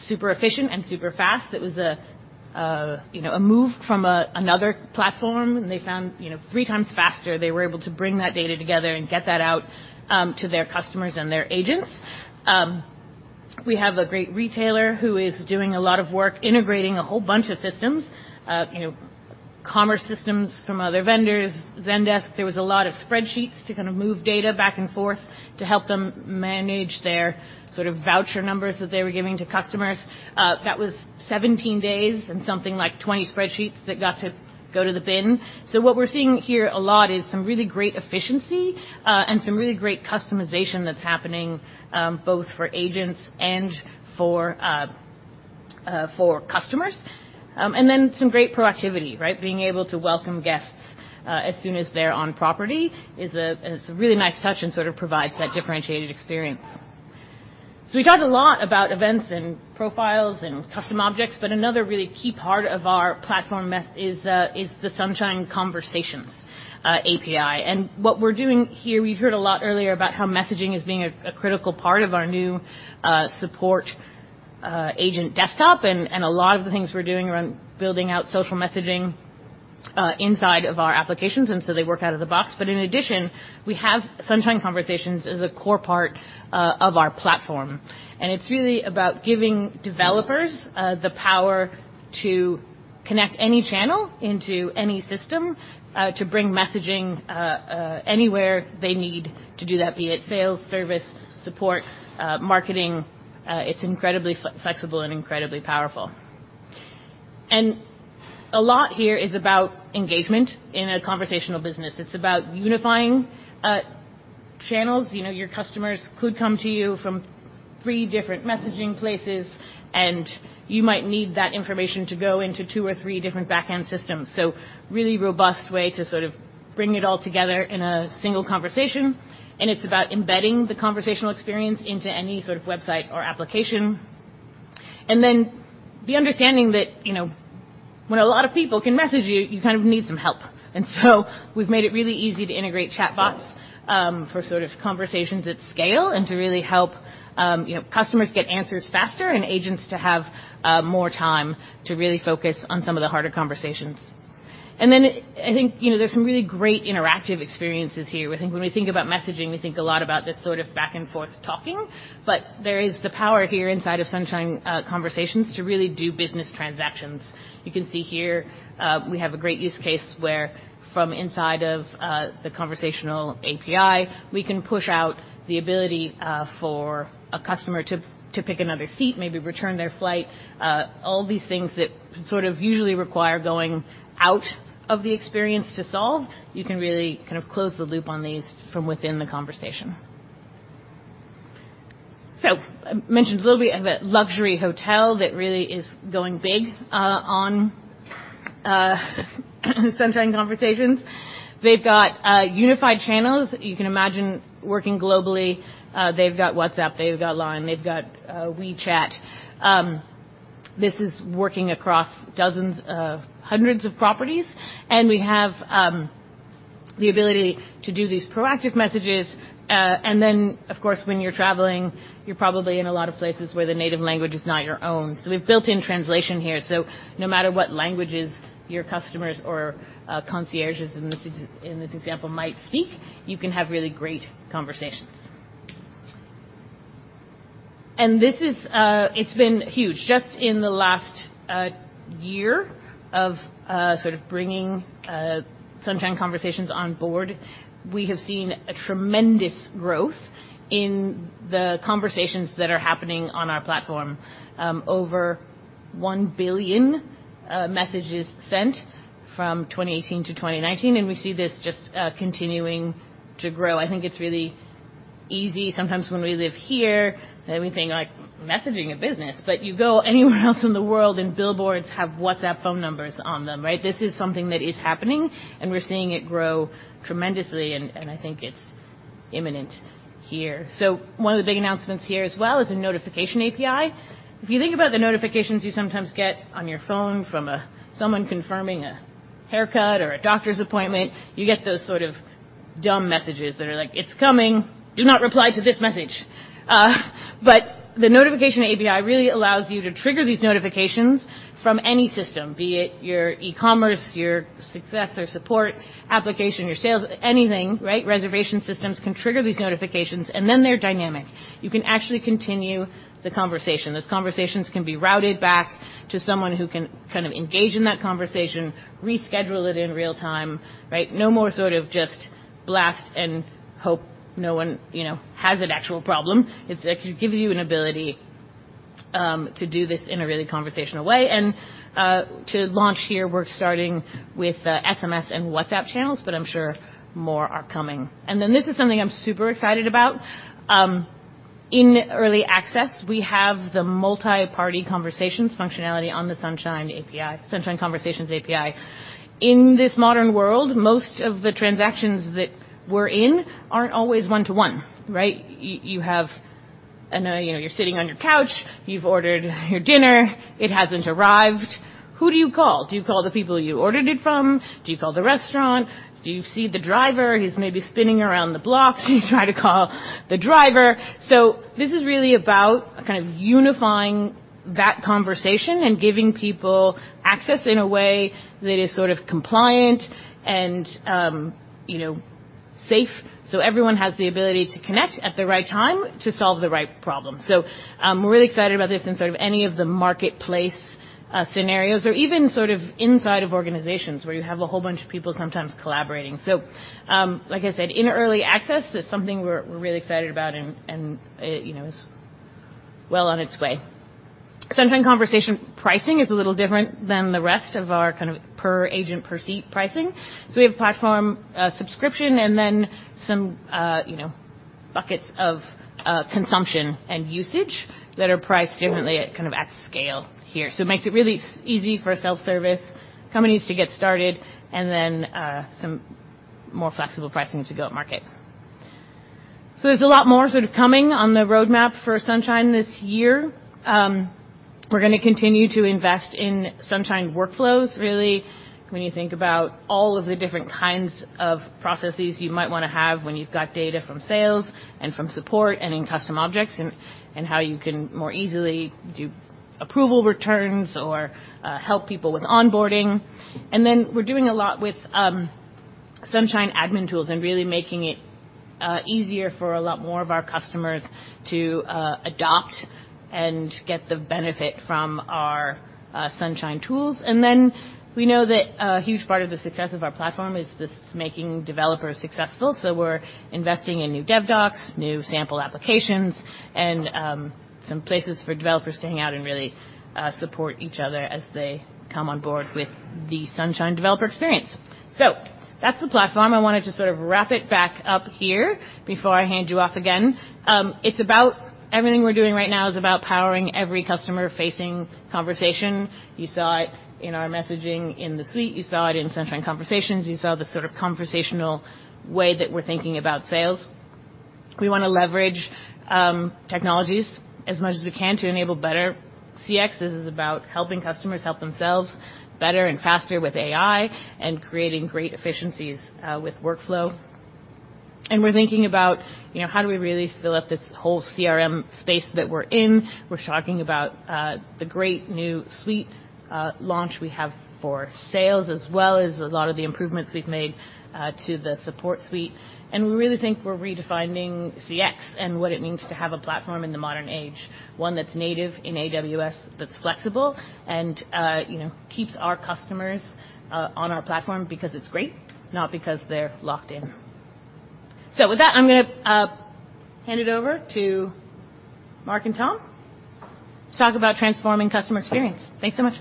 super efficient and super fast. It was a move from another platform. They found it three times faster. They were able to bring that data together and get that out to their customers and their agents. We have a great retailer who is doing a lot of work integrating a whole bunch of systems, commerce systems from other vendors, Zendesk. There was a lot of spreadsheets to kind of move data back and forth to help them manage their sort of voucher numbers that they were giving to customers. That was 17 days and something like 20 spreadsheets that got to go to the bin. What we're seeing here a lot is some really great efficiency and some really great customization that's happening, both for agents and for customers. Some great proactivity, right? Being able to welcome guests as soon as they're on property is a really nice touch and sort of provides that differentiated experience. We talked a lot about events and profiles and custom objects, but another really key part of our platform is the Sunshine Conversations API. What we're doing here, we heard a lot earlier about how messaging is being a critical part of our new support agent desktop, and a lot of the things we're doing around building out social messaging inside of our applications, and so they work out of the box. In addition, we have Sunshine Conversations as a core part of our platform. It's really about giving developers the power to connect any channel into any system to bring messaging anywhere they need to do that, be it sales, service, support, marketing. It's incredibly flexible and incredibly powerful. A lot here is about engagement in a conversational business. It's about unifying channels. Your customers could come to you from three different messaging places, and you might need that information to go into two or three different backend systems. Really robust way to sort of bring it all together in a single conversation, and it's about embedding the conversational experience into any sort of website or application. Then the understanding that when a lot of people can message you kind of need some help. We've made it really easy to integrate chatbots for sort of conversations at scale and to really help customers get answers faster and agents to have more time to really focus on some of the harder conversations. I think there's some really great interactive experiences here. I think when we think about messaging, we think a lot about this sort of back-and-forth talking. There is the power here inside of Sunshine Conversations to really do business transactions. You can see here we have a great use case where from inside of the conversational API, we can push out the ability for a customer to pick another seat, maybe return their flight. All these things that sort of usually require going out of the experience to solve, you can really kind of close the loop on these from within the conversation. I mentioned a little bit of a luxury hotel that really is going big on Sunshine Conversations. They've got unified channels. You can imagine working globally. They've got WhatsApp, they've got LINE, they've got WeChat. This is working across dozens of hundreds of properties, and we have the ability to do these proactive messages. Then, of course, when you're traveling, you're probably in a lot of places where the native language is not your own. We've built in translation here, so no matter what languages your customers or concierges in this example might speak, you can have really great conversations. It's been huge. Just in the last year of sort of bringing Sunshine Conversations on board, we have seen a tremendous growth in the conversations that are happening on our platform. Over one billion messages sent from 2018 to 2019. We see this just continuing to grow. I think it's really easy sometimes when we live here, and we think, like, messaging a business. You go anywhere else in the world, and billboards have WhatsApp phone numbers on them, right? This is something that is happening, and we're seeing it grow tremendously, and I think it's imminent here. One of the big announcements here as well is a notification API. If you think about the notifications you sometimes get on your phone from someone confirming a haircut or a doctor's appointment, you get those sort of dumb messages that are like, "It's coming. Do not reply to this message." The notification API really allows you to trigger these notifications from any system, be it your e-commerce, your success or support application, your sales, anything, right? Reservation systems can trigger these notifications. Then they're dynamic. You can actually continue the conversation. Those conversations can be routed back to someone who can kind of engage in that conversation, reschedule it in real time, right? No more sort of just blast and hope no one has an actual problem. It gives you an ability to do this in a really conversational way. To launch here, we're starting with SMS and WhatsApp channels. I'm sure more are coming. This is something I'm super excited about. In early access, we have the multi-party conversations functionality on the Sunshine API, Sunshine Conversations API. In this modern world, most of the transactions that we're in aren't always one-to-one, right? You're sitting on your couch, you've ordered your dinner, it hasn't arrived. Who do you call? Do you call the people you ordered it from? Do you call the restaurant? Do you see the driver? He's maybe spinning around the block. Do you try to call the driver? This is really about kind of unifying that conversation and giving people access in a way that is sort of compliant and safe, so everyone has the ability to connect at the right time to solve the right problem. We're really excited about this in sort of any of the marketplace scenarios or even sort of inside of organizations where you have a whole bunch of people sometimes collaborating. Like I said, in early access, it's something we're really excited about, and it is well on its way. Sunshine Conversations pricing is a little different than the rest of our kind of per agent, per seat pricing. We have platform subscription and then some buckets of consumption and usage that are priced differently at kind of at scale here. It makes it really easy for self-service companies to get started, and then some more flexible pricing to go at market. There's a lot more sort of coming on the roadmap for Sunshine this year. We're going to continue to invest in Sunshine Workflows, really, when you think about all of the different kinds of processes you might want to have when you've got data from sales and from support and in Sunshine Custom Objects and how you can more easily do approval returns or help people with onboarding. We're doing a lot with Sunshine admin tools and really making it easier for a lot more of our customers to adopt and get the benefit from our Sunshine tools. Then we know that a huge part of the success of our platform is this making developers successful. We're investing in new dev docs, new sample applications, and some places for developers to hang out and really support each other as they come on board with the Sunshine developer experience. That's the platform. I wanted to sort of wrap it back up here before I hand you off again. Everything we're doing right now is about powering every customer-facing conversation. You saw it in our messaging in the suite. You saw it in Sunshine Conversations. You saw the sort of conversational way that we're thinking about sales. We want to leverage technologies as much as we can to enable better CXs. This is about helping customers help themselves better and faster with AI and creating great efficiencies with workflow. We're thinking about how do we really fill up this whole CRM space that we're in. We're talking about the great new suite launch we have for sales, as well as a lot of the improvements we've made to the Support Suite. We really think we're redefining CX and what it means to have a platform in the modern age, one that's native in AWS, that's flexible and keeps our customers on our platform because it's great, not because they're locked in. With that, I'm going to hand it over to Mark and Tom to talk about transforming customer experience. Thanks so much.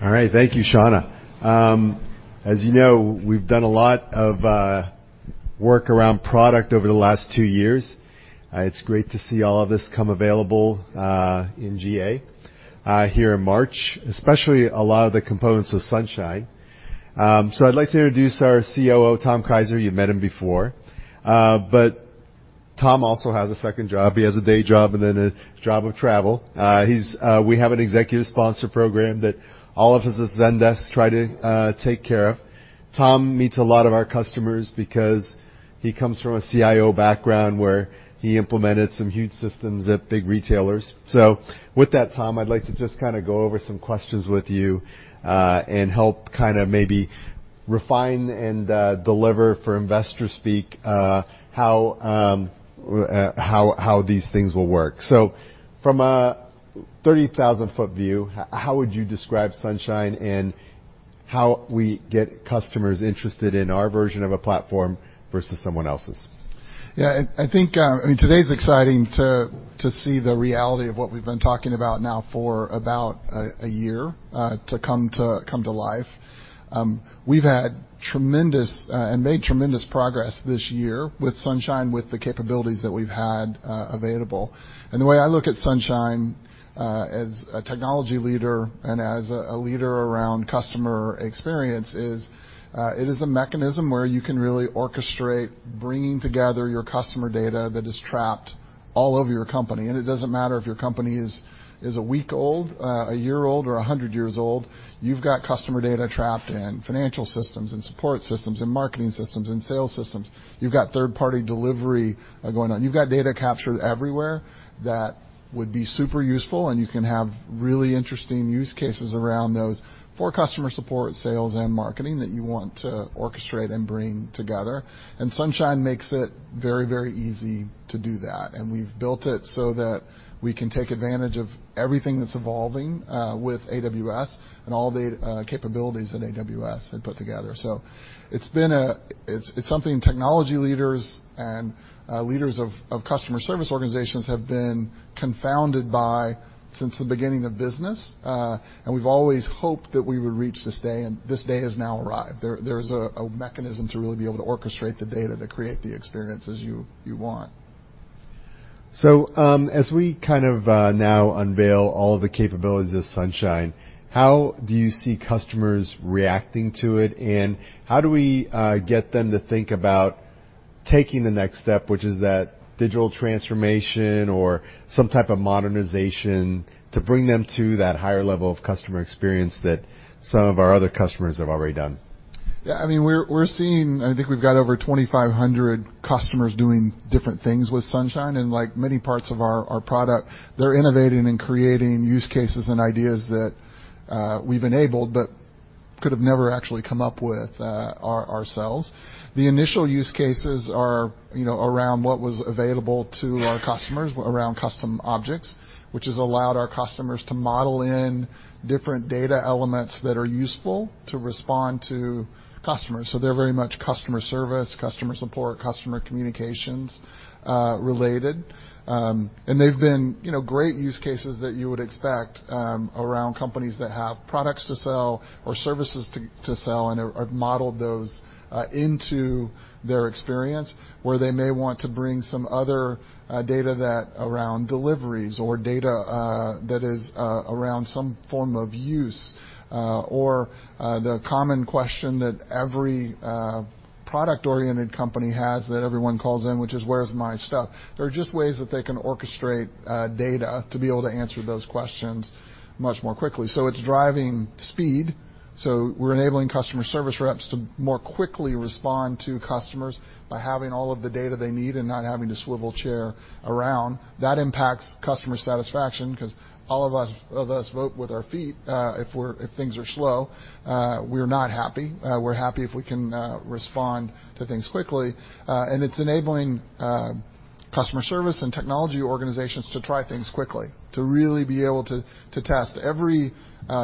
All right. Thank you, Shawna. As you know, we've done a lot of work around product over the last two years. It's great to see all of this come available in GA here in March, especially a lot of the components of Sunshine. I'd like to introduce our COO, Tom Keiser. You've met him before. Tom also has a second job. He has a day job and then a job of travel. We have an executive sponsor program that all of us at Zendesk try to take care of. Tom meets a lot of our customers because he comes from a CIO background where he implemented some huge systems at big retailers. With that, Tom, I'd like to just kind of go over some questions with you, and help kind of maybe refine and deliver for investor speak, how these things will work. From a 30,000-foot view, how would you describe Sunshine and how we get customers interested in our version of a platform versus someone else's? Yeah, I think today's exciting to see the reality of what we've been talking about now for about a year to come to life. We've made tremendous progress this year with Sunshine, with the capabilities that we've had available. The way I look at Sunshine, as a technology leader and as a leader around customer experience is, it is a mechanism where you can really orchestrate bringing together your customer data that is trapped all over your company. It doesn't matter if your company is a week old, a year old, or 100 years old, you've got customer data trapped in financial systems and support systems and marketing systems and sales systems. You've got third-party delivery going on. You've got data captured everywhere that would be super useful. You can have really interesting use cases around those for customer support, sales, and marketing that you want to orchestrate and bring together. Sunshine makes it very easy to do that. We've built it so that we can take advantage of everything that's evolving with AWS and all the capabilities that AWS had put together. It's something technology leaders and leaders of customer service organizations have been confounded by since the beginning of business. We've always hoped that we would reach this day. This day has now arrived. There's a mechanism to really be able to orchestrate the data to create the experiences you want. As we kind of now unveil all of the capabilities of Sunshine, how do you see customers reacting to it, and how do we get them to think about taking the next step, which is that digital transformation or some type of modernization to bring them to that higher level of customer experience that some of our other customers have already done? I think we've got over 2,500 customers doing different things with Sunshine, like many parts of our product, they're innovating and creating use cases and ideas that we've enabled but could've never actually come up with ourselves. The initial use cases are around what was available to our customers, around Custom Objects, which has allowed our customers to model in different data elements that are useful to respond to customers. They're very much customer service, customer support, customer communications related. They've been great use cases that you would expect around companies that have products to sell or services to sell and have modeled those into their experience, where they may want to bring some other data around deliveries or data that is around some form of use, or the common question that every product-oriented company has that everyone calls in, which is, "Where's my stuff?" There are just ways that they can orchestrate data to be able to answer those questions much more quickly. It's driving speed. We're enabling customer service reps to more quickly respond to customers by having all of the data they need and not having to swivel chair around. That impacts customer satisfaction because all of us vote with our feet if things are slow. We're not happy. We're happy if we can respond to things quickly. It's enabling customer service and technology organizations to try things quickly, to really be able to test. Every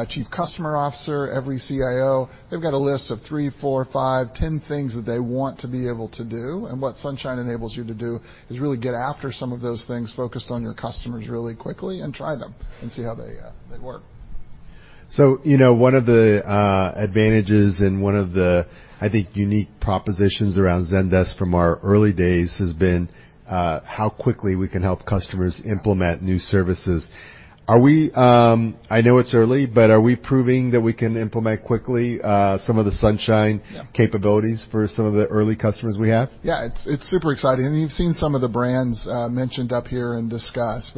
chief customer officer, every CIO, they've got a list of three, four, five, 10 things that they want to be able to do. What Sunshine enables you to do is really get after some of those things focused on your customers really quickly and try them and see how they work. One of the advantages and one of the, I think, unique propositions around Zendesk from our early days has been how quickly we can help customers implement new services. I know it's early, but are we proving that we can implement quickly some of the Sunshine capabilities for some of the early customers we have? Yeah. It's super exciting. You've seen some of the brands mentioned up here and discussed.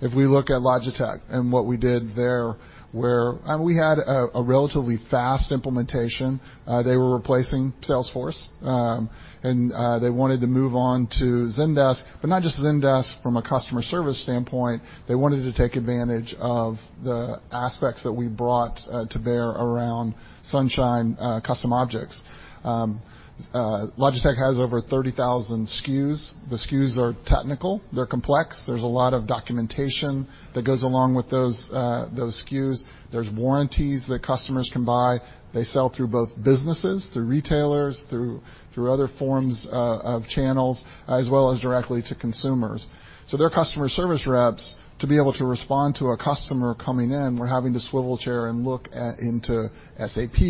If we look at Logitech and what we did there, where we had a relatively fast implementation. They were replacing Salesforce. They wanted to move on to Zendesk, but not just Zendesk from a customer service standpoint. They wanted to take advantage of the aspects that we brought to bear around Sunshine Custom Objects. Logitech has over 30,000 SKUs. The SKUs are technical. They're complex. There's a lot of documentation that goes along with those SKUs. There's warranties that customers can buy. They sell through both businesses, through retailers, through other forms of channels, as well as directly to consumers. Their customer service reps, to be able to respond to a customer coming in, were having to swivel chair and look into SAP,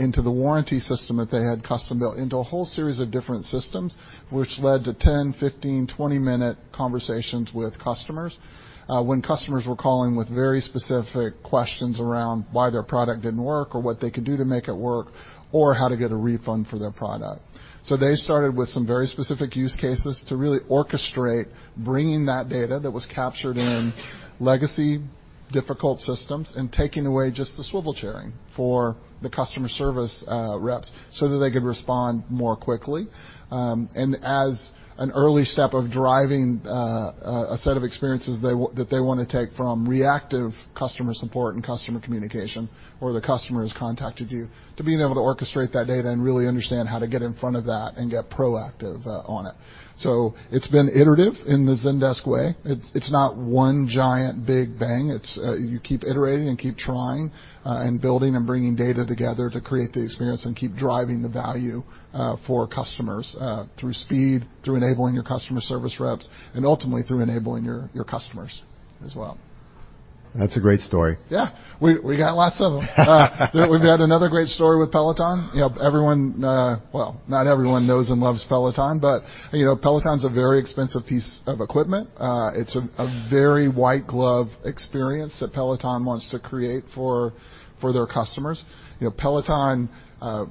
into the warranty system that they had custom built, into a whole series of different systems, which led to 10, 15, 20-minute conversations with customers, when customers were calling with very specific questions around why their product didn't work or what they could do to make it work or how to get a refund for their product. They started with some very specific use cases to really orchestrate bringing that data that was captured in legacy difficult systems and taking away just the swivel chairing for the customer service reps so that they could respond more quickly. As an early step of driving a set of experiences that they want to take from reactive customer support and customer communication, where the customer has contacted you, to being able to orchestrate that data and really understand how to get in front of that and get proactive on it. It's been iterative in the Zendesk way. It's not one giant big bang. You keep iterating and keep trying, and building and bringing data together to create the experience and keep driving the value for customers, through speed, through enabling your customer service reps, and ultimately through enabling your customers as well. That's a great story. Yeah. We got lots of them. We've had another great story with Peloton. Everyone, well, not everyone knows and loves Peloton's a very expensive piece of equipment. It's a very white glove experience that Peloton wants to create for their customers. Peloton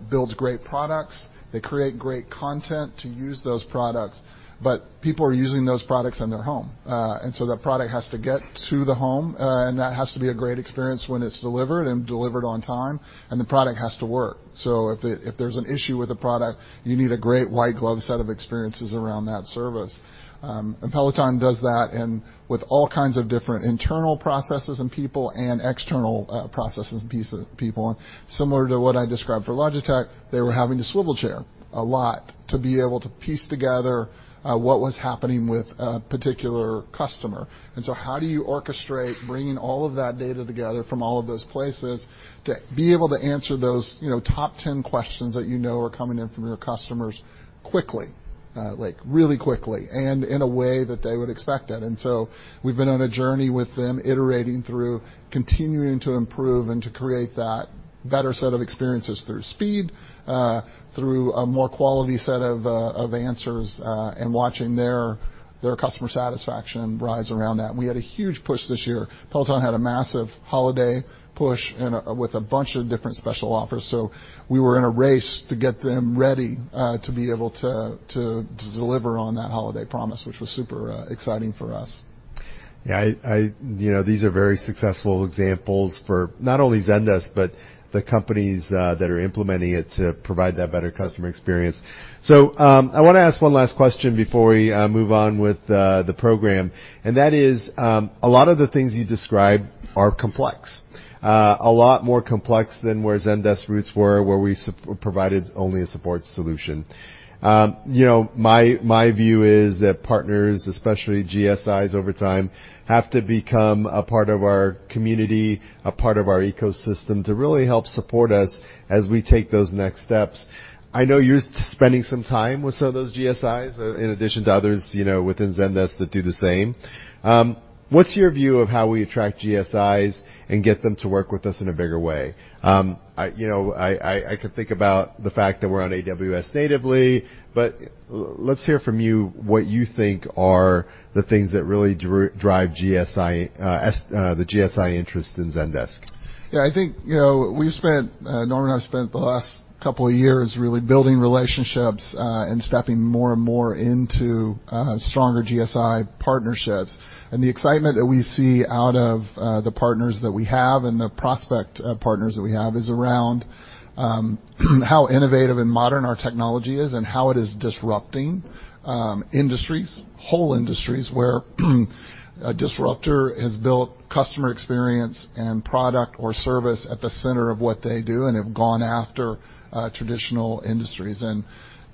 builds great products. They create great content to use those products. People are using those products in their home. That product has to get to the home, and that has to be a great experience when it's delivered and delivered on time, and the product has to work. If there's an issue with a product, you need a great white glove set of experiences around that service. Peloton does that and with all kinds of different internal processes and people and external processes and people. Similar to what I described for Logitech, they were having to swivel chair a lot to be able to piece together what was happening with a particular customer. How do you orchestrate bringing all of that data together from all of those places to be able to answer those top 10 questions that you know are coming in from your customers quickly, like really quickly, and in a way that they would expect it. We've been on a journey with them, iterating through, continuing to improve, and to create that better set of experiences through speed, through a more quality set of answers, and watching their customer satisfaction rise around that. We had a huge push this year. Peloton had a massive holiday push and with a bunch of different special offers. We were in a race to get them ready to be able to deliver on that holiday promise, which was super exciting for us. Yeah. These are very successful examples for not only Zendesk, but the companies that are implementing it to provide that better customer experience. I want to ask one last question before we move on with the program. That is, a lot of the things you described are complex, a lot more complex than where Zendesk roots were, where we provided only a support solution. My view is that partners, especially GSIs over time, have to become a part of our community, a part of our ecosystem to really help support us as we take those next steps. I know you're spending some time with some of those GSIs, in addition to others within Zendesk that do the same. What's your view of how we attract GSIs and get them to work with us in a bigger way? I could think about the fact that we're on AWS natively, but let's hear from you what you think are the things that really drive the GSI interest in Zendesk. Yeah, I think Norm and I spent the last couple of years really building relationships, and stepping more and more into stronger GSI partnerships. The excitement that we see out of the partners that we have and the prospect partners that we have is around how innovative and modern our technology is and how it is disrupting industries, whole industries, where a disruptor has built customer experience and product or service at the center of what they do and have gone after traditional industries.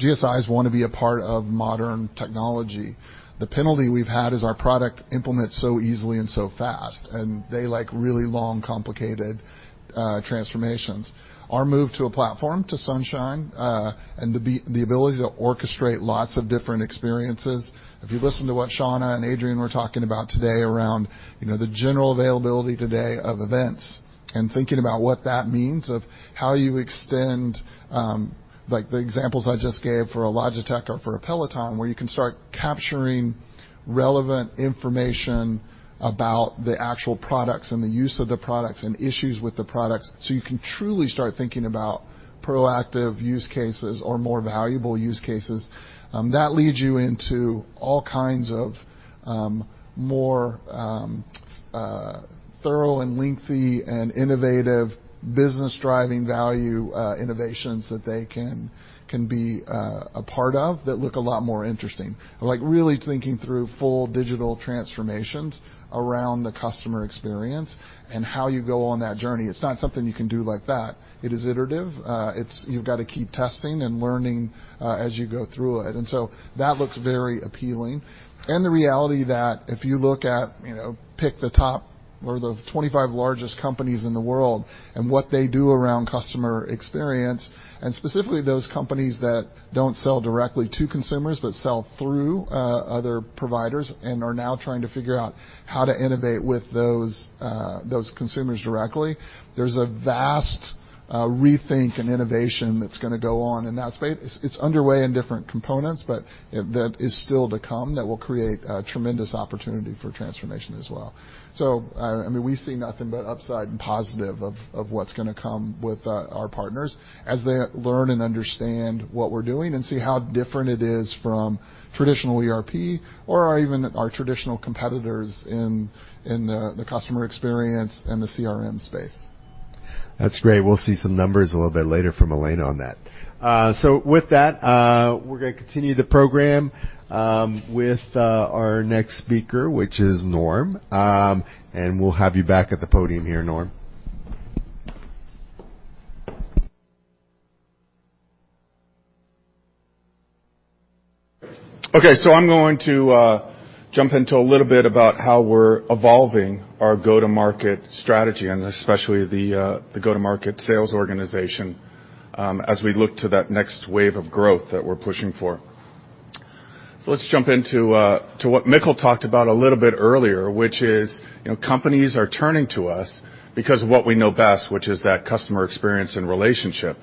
GSIs want to be a part of modern technology. The penalty we've had is our product implements so easily and so fast, and they like really long, complicated transformations. Our move to a platform, to Sunshine, and the ability to orchestrate lots of different experiences. If you listen to what Shawna and Adrian were talking about today around the general availability today of events and thinking about what that means of how you extend, like the examples I just gave for a Logitech or for a Peloton, where you can start capturing relevant information about the actual products and the use of the products and issues with the products, so you can truly start thinking about proactive use cases or more valuable use cases. That leads you into all kinds of more thorough and lengthy and innovative business-driving value innovations that they can be a part of that look a lot more interesting. Like really thinking through full digital transformations around the customer experience and how you go on that journey. It's not something you can do like that. It is iterative. You've got to keep testing and learning as you go through it. That looks very appealing. The reality that if you look at, pick the top or the 25 largest companies in the world and what they do around customer experience, and specifically those companies that don't sell directly to consumers but sell through other providers and are now trying to figure out how to innovate with those consumers directly. There's a vast rethink and innovation that's going to go on in that space. It's underway in different components, but that is still to come. That will create a tremendous opportunity for transformation as well. We see nothing but upside and positive of what's going to come with our partners as they learn and understand what we're doing and see how different it is from traditional ERP or even our traditional competitors in the customer experience and the CRM space. That's great. We'll see some numbers a little bit later from Elena on that. With that, we're going to continue the program with our next speaker, which is Norm. We'll have you back at the podium here, Norm. I'm going to jump into a little bit about how we're evolving our go-to-market strategy, and especially the go-to-market sales organization as we look to that next wave of growth that we're pushing for. So let's jump into what Mikkel talked about a little bit earlier, which is, companies are turning to us because of what we know best, which is that customer experience and relationship.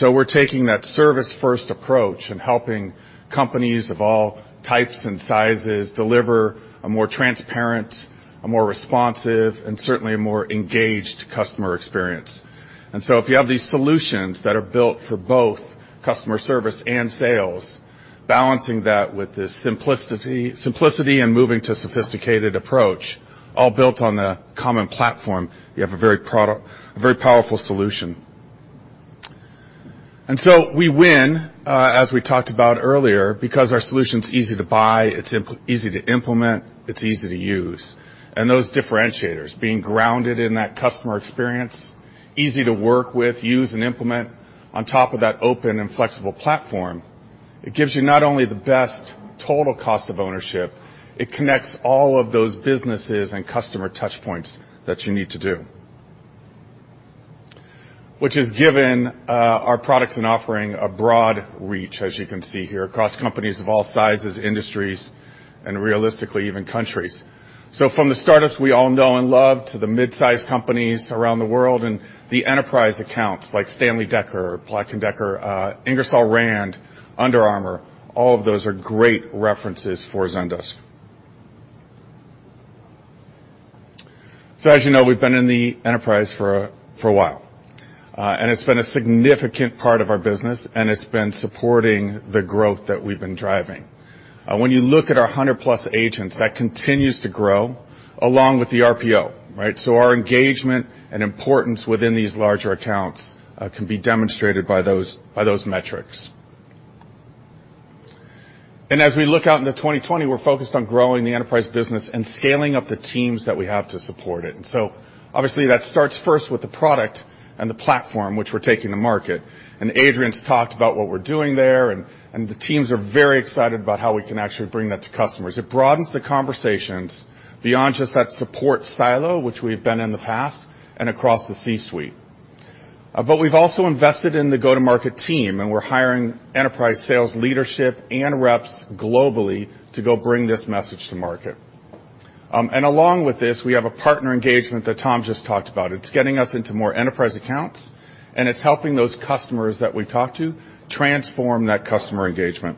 We're taking that service-first approach and helping companies of all types and sizes deliver a more transparent, a more responsive, and certainly a more engaged customer experience. If you have these solutions that are built for both customer service and sales, balancing that with this simplicity and moving to sophisticated approach, all built on a common platform, you have a very powerful solution. We win, as we talked about earlier, because our solution's easy to buy, it's easy to implement, it's easy to use. Those differentiators, being grounded in that customer experience, easy to work with, use, and implement on top of that open and flexible platform, it gives you not only the best total cost of ownership, it connects all of those businesses and customer touch points that you need to do. Which has given our products and offering a broad reach, as you can see here, across companies of all sizes, industries, and realistically even countries. From the startups we all know and love to the mid-size companies around the world and the enterprise accounts like Stanley Black & Decker, Black & Decker, Ingersoll Rand, Under Armour, all of those are great references for Zendesk. As you know, we've been in the enterprise for a while. It's been a significant part of our business, and it's been supporting the growth that we've been driving. When you look at our 100-plus agents, that continues to grow along with the RPO, right? Our engagement and importance within these larger accounts can be demonstrated by those metrics. As we look out into 2020, we're focused on growing the enterprise business and scaling up the teams that we have to support it. Obviously, that starts first with the product and the platform which we're taking to market. Adrian's talked about what we're doing there, and the teams are very excited about how we can actually bring that to customers. It broadens the conversations beyond just that support silo, which we've been in the past, and across the C-suite. We've also invested in the go-to-market team, and we're hiring enterprise sales leadership and reps globally to go bring this message to market. Along with this, we have a partner engagement that Tom just talked about. It's getting us into more enterprise accounts, and it's helping those customers that we talk to transform that customer engagement.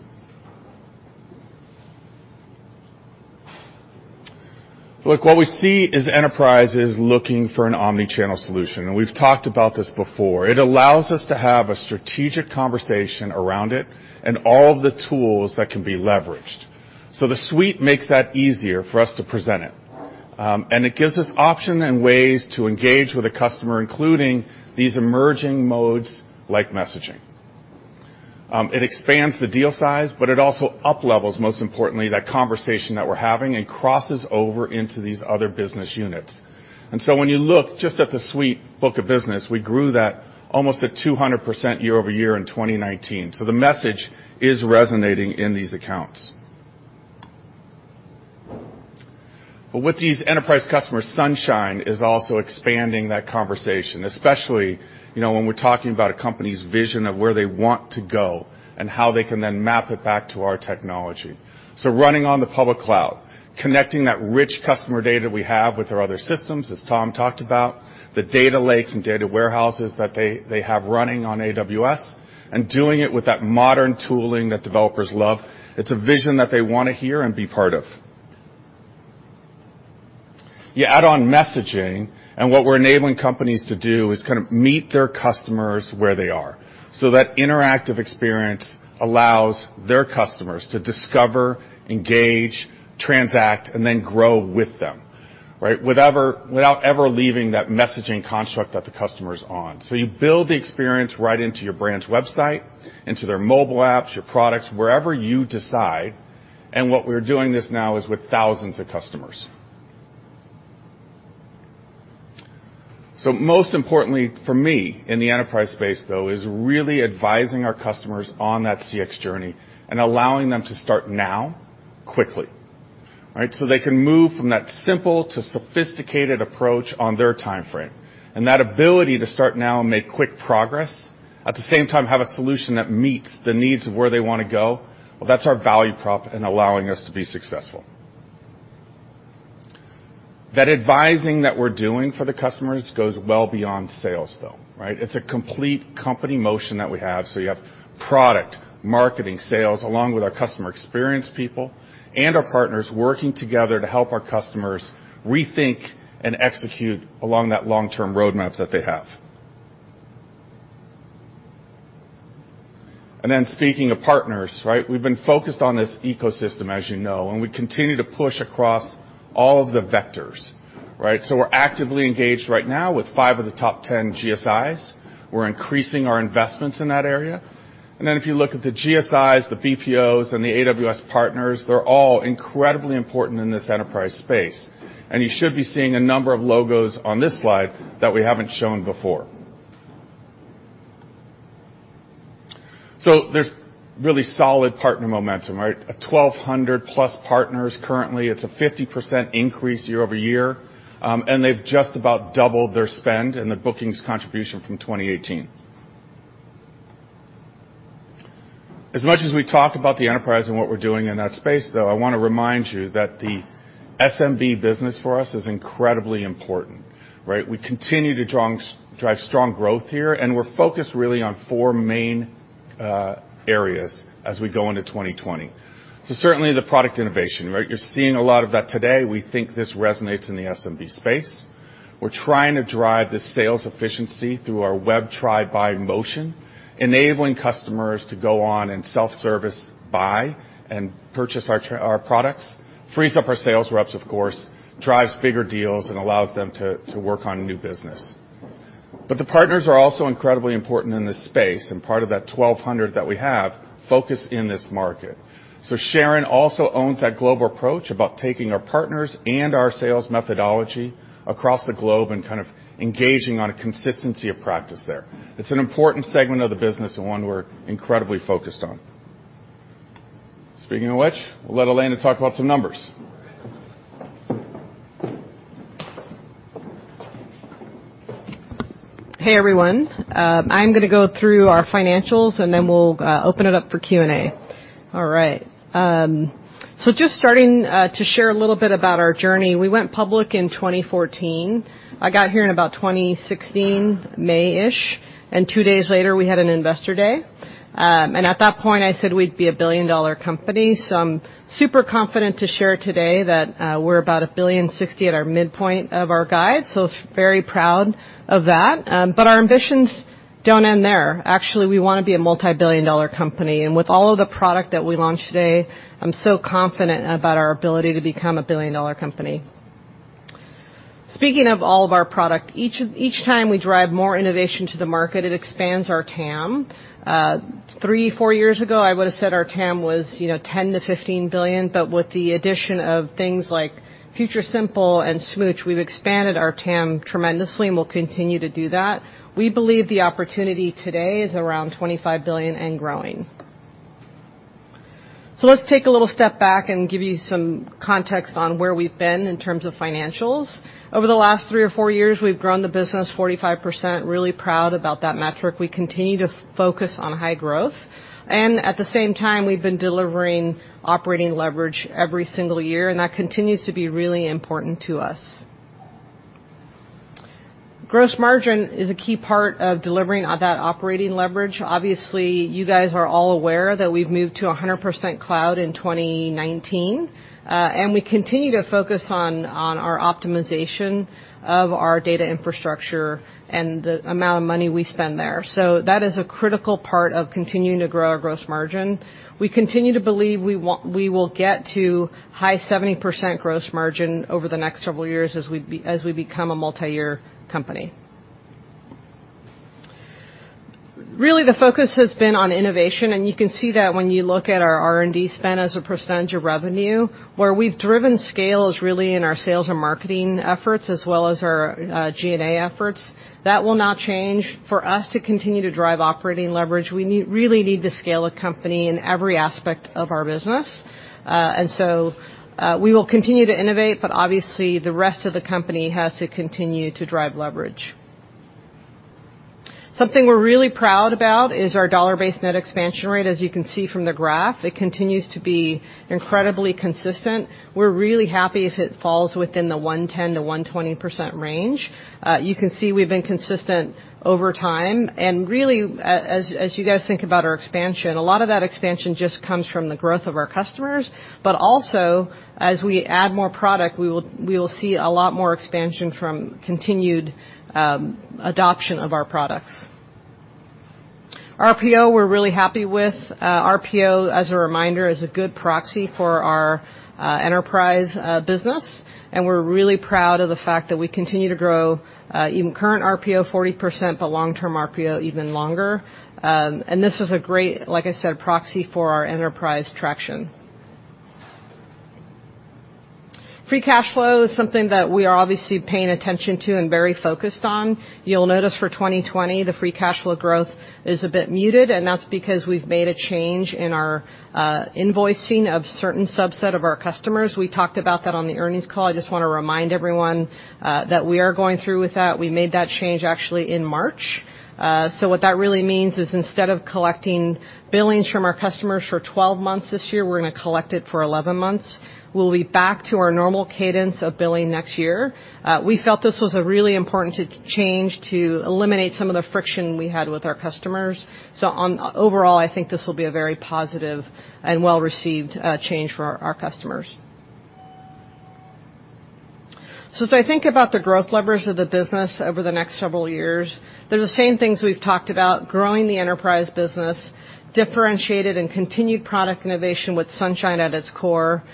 Look, what we see is enterprises looking for an omnichannel solution, and we've talked about this before. It allows us to have a strategic conversation around it and all of the tools that can be leveraged. The Zendesk Suite makes that easier for us to present it. It gives us option and ways to engage with a customer, including these emerging modes like messaging. It expands the deal size, but it also up-levels, most importantly, that conversation that we're having and crosses over into these other business units. When you look just at the Suite book of business, we grew that almost at 200% year-over-year in 2019. The message is resonating in these accounts. With these enterprise customers, Sunshine is also expanding that conversation, especially when we're talking about a company's vision of where they want to go and how they can then map it back to our technology. Running on the public cloud, connecting that rich customer data we have with our other systems, as Tom talked about, the data lakes and data warehouses that they have running on AWS, and doing it with that modern tooling that developers love. It's a vision that they want to hear and be part of. You add on messaging, and what we're enabling companies to do is kind of meet their customers where they are. That interactive experience allows their customers to discover, engage, transact, and then grow with them, right? Without ever leaving that messaging construct that the customer's on. You build the experience right into your brand's website, into their mobile apps, your products, wherever you decide. What we're doing this now is with thousands of customers. Most importantly for me in the enterprise space, though, is really advising our customers on that CX journey and allowing them to start now quickly. Right? They can move from that simple to sophisticated approach on their timeframe. That ability to start now and make quick progress, at the same time, have a solution that meets the needs of where they want to go, well, that's our value prop in allowing us to be successful. That advising that we're doing for the customers goes we It's a complete company motion that we have, so you have product, marketing, sales, along with our customer experience people and our partners working together to help our customers rethink and execute along that long-term roadmap that they have. Speaking of partners, right? We've been focused on this ecosystem, as you know, and we continue to push across all of the vectors. Right? We're actively engaged right now with five of the top 10 GSIs. We're increasing our investments in that area. If you look at the GSIs, the BPOs, and the AWS partners, they're all incredibly important in this enterprise space. You should be seeing a number of logos on this slide that we haven't shown before. There's really solid partner momentum, right? 1,200-plus partners currently. It's a 50% increase year-over-year. They've just about doubled their spend and the bookings contribution from 2018. As much as we talk about the enterprise and what we're doing in that space, though, I want to remind you that the SMB business for us is incredibly important, right? We continue to drive strong growth here, and we're focused really on four main areas as we go into 2020. Certainly, the product innovation, right? You're seeing a lot of that today. We think this resonates in the SMB space. We're trying to drive the sales efficiency through our web try buy motion, enabling customers to go on and self-service buy and purchase our products. Frees up our sales reps, of course, drives bigger deals, and allows them to work on new business. The partners are also incredibly important in this space, and part of that 1,200 that we have focus in this market. Sharon also owns that global approach about taking our partners and our sales methodology across the globe and kind of engaging on a consistency of practice there. It's an important segment of the business and one we're incredibly focused on. Speaking of which, we'll let Elena talk about some numbers. Hey, everyone. I'm going to go through our financials, then we'll open it up for Q&A. All right. Just starting to share a little bit about our journey. We went public in 2014. I got here in about 2016, May-ish, two days later, we had an investor day. At that point, I said we'd be a billion-dollar company. I'm super confident to share today that we're about $1.6 billion at our midpoint of our guide, very proud of that. Our ambitions don't end there. Actually, we want to be a multi-billion-dollar company. With all of the product that we launched today, I'm so confident about our ability to become a billion-dollar company. Speaking of all of our product, each time we drive more innovation to the market, it expands our TAM. Three, four years ago, I would've said our TAM was $10 billion-$15 billion, but with the addition of things like FutureSimple and Smooch, we've expanded our TAM tremendously, and we'll continue to do that. We believe the opportunity today is around $25 billion and growing. Let's take a little step back and give you some context on where we've been in terms of financials. Over the last three or four years, we've grown the business 45%, really proud about that metric. We continue to focus on high growth. At the same time, we've been delivering operating leverage every single year, and that continues to be really important to us. Gross margin is a key part of delivering that operating leverage. Obviously, you guys are all aware that we've moved to 100% cloud in 2019. We continue to focus on our optimization of our data infrastructure and the amount of money we spend there. That is a critical part of continuing to grow our gross margin. We continue to believe we will get to high 70% gross margin over the next several years as we become a multi-year company. Really, the focus has been on innovation, and you can see that when you look at our R&D spend as a % of revenue, where we've driven scale is really in our sales and marketing efforts as well as our G&A efforts. That will not change. For us to continue to drive operating leverage, we really need to scale a company in every aspect of our business. We will continue to innovate, but obviously, the rest of the company has to continue to drive leverage. Something we're really proud about is our dollar-based net expansion rate. You can see from the graph, it continues to be incredibly consistent. We're really happy if it falls within the 110%-120% range. You can see we've been consistent over time. Really, as you guys think about our expansion, a lot of that expansion just comes from the growth of our customers. Also, as we add more product, we will see a lot more expansion from continued adoption of our products. RPO, we're really happy with. RPO, as a reminder, is a good proxy for our enterprise business, and we're really proud of the fact that we continue to grow even current RPO 40%, but long-term RPO even longer. This is a great, like I said, proxy for our enterprise traction. Free cash flow is something that we are obviously paying attention to and very focused on. You'll notice for 2020, the free cash flow growth is a bit muted, and that's because we've made a change in our invoicing of certain subset of our customers. We talked about that on the earnings call. I just want to remind everyone that we are going through with that. We made that change actually in March. What that really means is instead of collecting billings from our customers for 12 months this year, we're going to collect it for 11 months. We'll be back to our normal cadence of billing next year. We felt this was a really important change to eliminate some of the friction we had with our customers. Overall, I think this will be a very positive and well-received change for our customers. As I think about the growth levers of the business over the next several years, they're the same things we've talked about, growing the enterprise business, differentiated and continued product innovation with Sunshine at its core,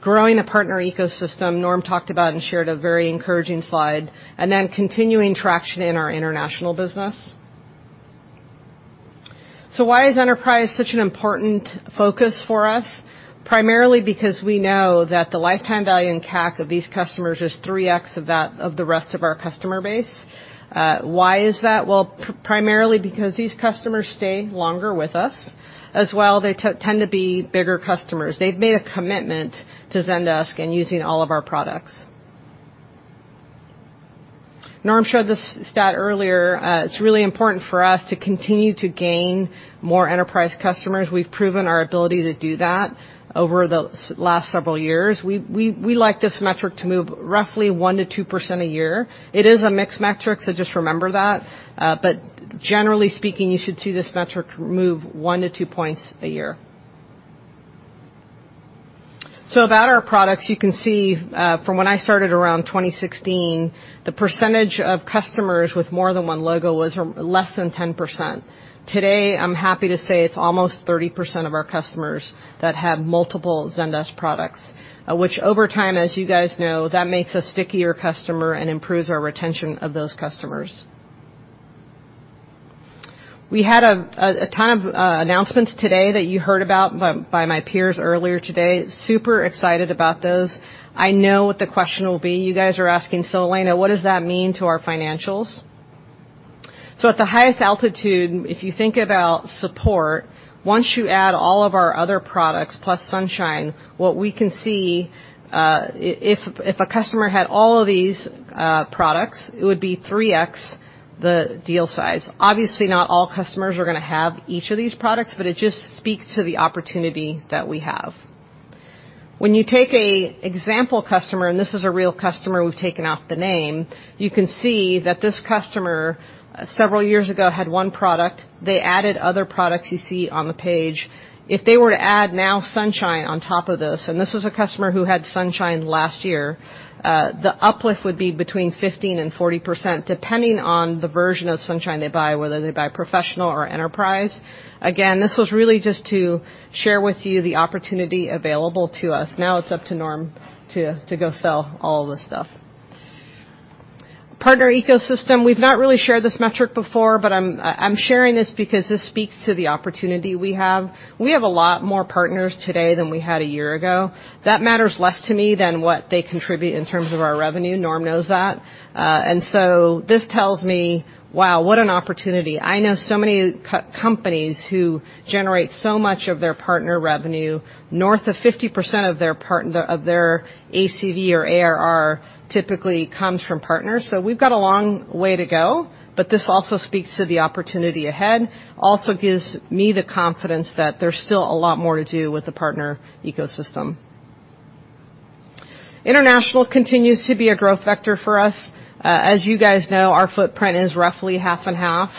growing a partner ecosystem Norm talked about and shared a very encouraging slide, and then continuing traction in our international business. Why is enterprise such an important focus for us? Primarily because we know that the lifetime value and CAC of these customers is 3x of the rest of our customer base. Why is that? Well, primarily because these customers stay longer with us. As well, they tend to be bigger customers. They've made a commitment to Zendesk and using all of our products. Norm showed this stat earlier. It's really important for us to continue to gain more enterprise customers. We've proven our ability to do that over the last several years. We like this metric to move roughly 1% to 2% a year. It is a mixed metric, just remember that. Generally speaking, you should see this metric move one to two points a year. About our products, you can see from when I started around 2016, the percentage of customers with more than one logo was less than 10%. Today, I'm happy to say it's almost 30% of our customers that have multiple Zendesk products, which over time, as you guys know, that makes a stickier customer and improves our retention of those customers. We had a ton of announcements today that you heard about by my peers earlier today. Super excited about those. I know what the question will be. You guys are asking, "So Elena, what does that mean to our financials?" At the highest altitude, if you think about Support, once you add all of our other products plus Sunshine, what we can see, if a customer had all of these products, it would be 3x the deal size. Obviously, not all customers are going to have each of these products. It just speaks to the opportunity that we have. When you take an example customer, and this is a real customer, we've taken off the name, you can see that this customer, several years ago, had one product. They added other products you see on the page. If they were to add Sunshine on top of this, and this was a customer who had Sunshine last year, the uplift would be between 15% and 40%, depending on the version of Sunshine they buy, whether they buy Professional or Enterprise. Again, this was really just to share with you the opportunity available to us. It's up to Norm to go sell all of this stuff. Partner ecosystem, we've not really shared this metric before, but I'm sharing this because this speaks to the opportunity we have. We have a lot more partners today than we had a year ago. That matters less to me than what they contribute in terms of our revenue. Norm knows that. This tells me, wow, what an opportunity. I know so many companies who generate so much of their partner revenue, north of 50% of their ACV or ARR typically comes from partners. We've got a long way to go, but this also speaks to the opportunity ahead. Gives me the confidence that there's still a lot more to do with the partner ecosystem. International continues to be a growth vector for us. As you guys know, our footprint is roughly half and half.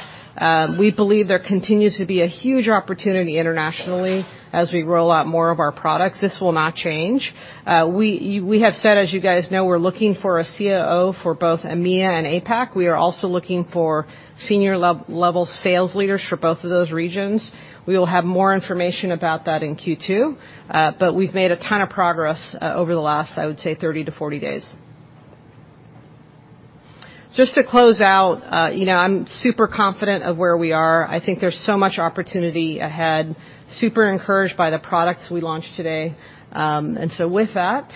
We believe there continues to be a huge opportunity internationally as we roll out more of our products. This will not change. We have said, as you guys know, we're looking for a COO for both EMEA and APAC. We are also looking for senior-level sales leaders for both of those regions. We will have more information about that in Q2. We've made a ton of progress over the last, I would say, 30-40 days. Just to close out, I'm super confident of where we are. I think there's so much opportunity ahead, super encouraged by the products we launched today. With that,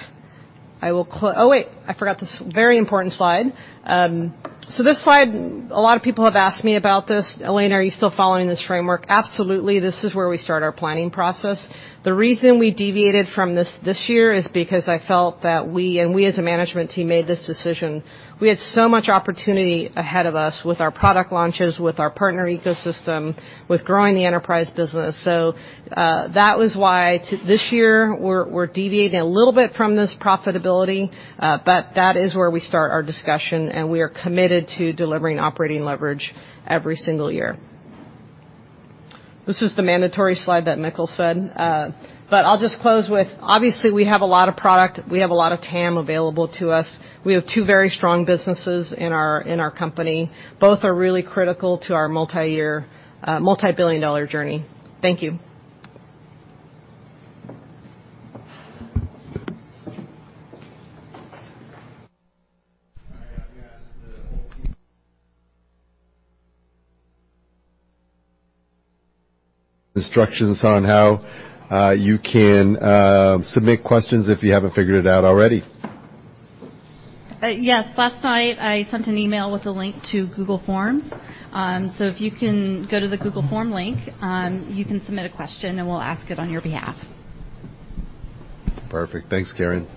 I will oh, wait, I forgot this very important slide. This slide, a lot of people have asked me about this. "Elena, are you still following this framework?" Absolutely. This is where we start our planning process. The reason we deviated from this this year is because I felt that we, and we as a management team, made this decision. We had so much opportunity ahead of us with our product launches, with our partner ecosystem, with growing the enterprise business. That was why this year, we're deviating a little bit from this profitability. That is where we start our discussion, and we are committed to delivering operating leverage every single year. This is the mandatory slide that Mikkel said. I'll just close with, obviously, we have a lot of product. We have a lot of TAM available to us. We have two very strong businesses in our company. Both are really critical to our multi-year, multi-billion dollar journey. Thank you. All right, I'm going to ask the whole team instructions on how you can submit questions if you haven't figured it out already. Yes. Last night, I sent an email with a link to Google Forms. If you can go to the Google Form link, you can submit a question, and we'll ask it on your behalf. Perfect. Thanks, Karen.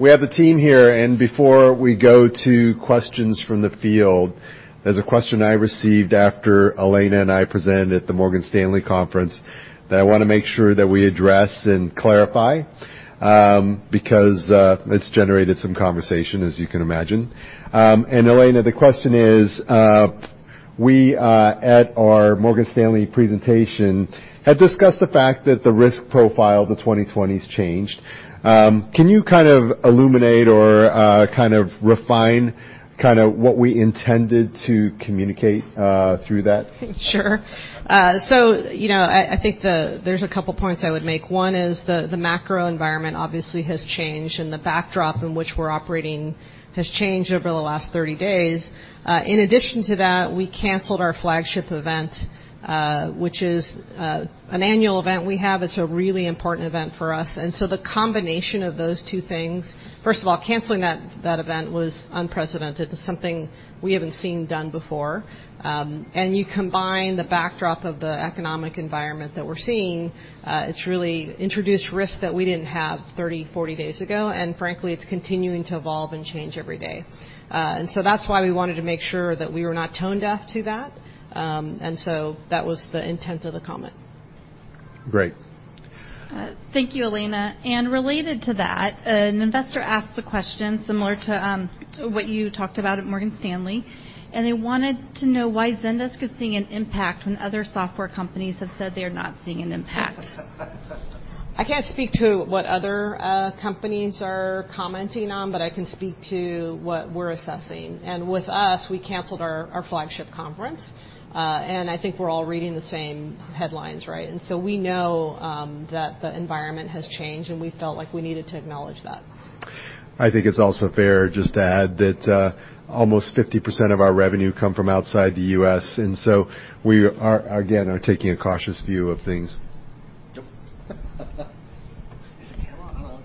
We have the team here, and before we go to questions from the field, there's a question I received after Elena and I presented at the Morgan Stanley conference that I want to make sure that we address and clarify, because it's generated some conversation, as you can imagine. Elena, the question is, we, at our Morgan Stanley presentation, had discussed the fact that the risk profile of the 2020s changed. Can you kind of illuminate or kind of refine kind of what we intended to communicate through that? Sure. I think there's a couple points I would make. One is the macro environment obviously has changed, and the backdrop in which we're operating has changed over the last 30 days. In addition to that, we canceled our flagship event, which is an annual event we have. It's a really important event for us. The combination of those two things, first of all, canceling that event was unprecedented, something we haven't seen done before. You combine the backdrop of the economic environment that we're seeing, it's really introduced risks that we didn't have 30, 40 days ago. Frankly, it's continuing to evolve and change every day. That's why we wanted to make sure that we were not tone deaf to that. That was the intent of the comment. Great. Thank you, Elena. Related to that, an investor asked a question similar to what you talked about at Morgan Stanley, and they wanted to know why Zendesk is seeing an impact when other software companies have said they are not seeing an impact. I can't speak to what other companies are commenting on, but I can speak to what we're assessing. With us, we canceled our flagship conference. I think we're all reading the same headlines, right? We know that the environment has changed, and we felt like we needed to acknowledge that. I think it's also fair just to add that almost 50% of our revenue comes from outside the U.S. We are, again, taking a cautious view of things. Yep. There's a camera on us.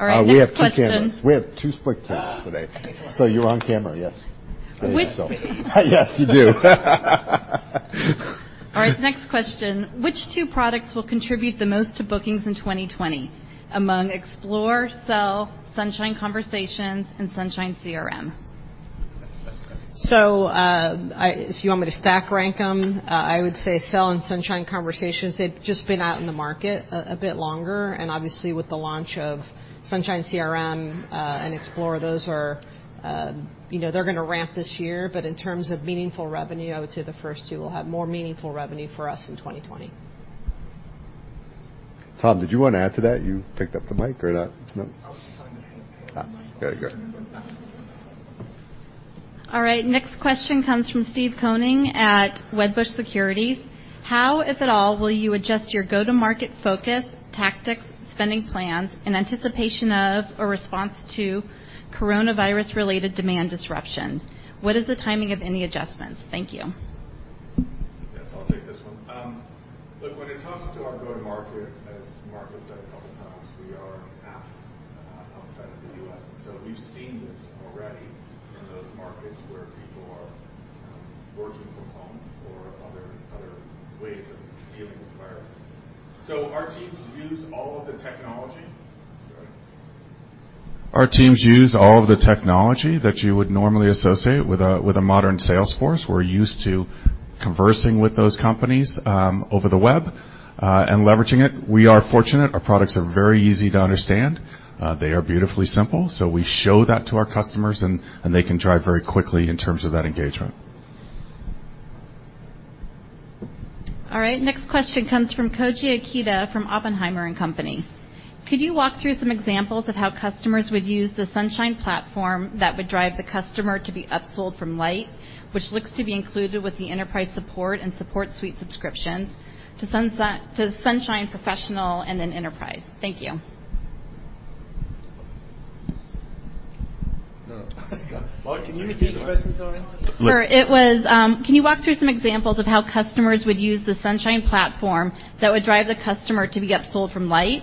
All right, next question. We have two cameras. We have two split cameras today. You're on camera, yes. Which- Yes, you do. All right, the next question, which two products will contribute the most to bookings in 2020 among Explore, Sell, Sunshine Conversations, and Sunshine CRM? If you want me to stack rank them, I would say Zendesk Sell and Sunshine Conversations. They've just been out in the market a bit longer, and obviously, with the launch of Sunshine CRM and Zendesk Explore, they're going to ramp this year. In terms of meaningful revenue, I would say the first two will have more meaningful revenue for us in 2020. Tom, did you want to add to that? You picked up the mic or not? No. I was trying to hand the mic over to Norman. Good. All right. Next question comes from Steve Koenig at Wedbush Securities. How, if at all, will you adjust your go-to-market focus, tactics, spending plans in anticipation of or response to coronavirus-related demand disruption? What is the timing of any adjustments? Thank you. Yes, I'll take this one. Look, when it comes to our go-to-market, as Mark has said a couple of times, we are half outside of the U.S., we've seen this already in those markets where people are working from home or other ways of dealing with the virus. Our teams use all of the technology that you would normally associate with a modern sales force. We're used to conversing with those companies over the web, leveraging it. We are fortunate. Our products are very easy to understand. They are beautifully simple. We show that to our customers, they can drive very quickly in terms of that engagement. All right. Next question comes from Koji Ikeda from Oppenheimer & Co. Inc. Could you walk through some examples of how customers would use the Sunshine platform that would drive the customer to be upsold from Lite, which looks to be included with the Enterprise Support and Support Suite subscriptions, to Sunshine Professional, and then Enterprise? Thank you. No. Mark, can you take that one? Can you repeat the question, sorry? Can you walk through some examples of how customers would use the Sunshine platform that would drive the customer to be upsold from Lite,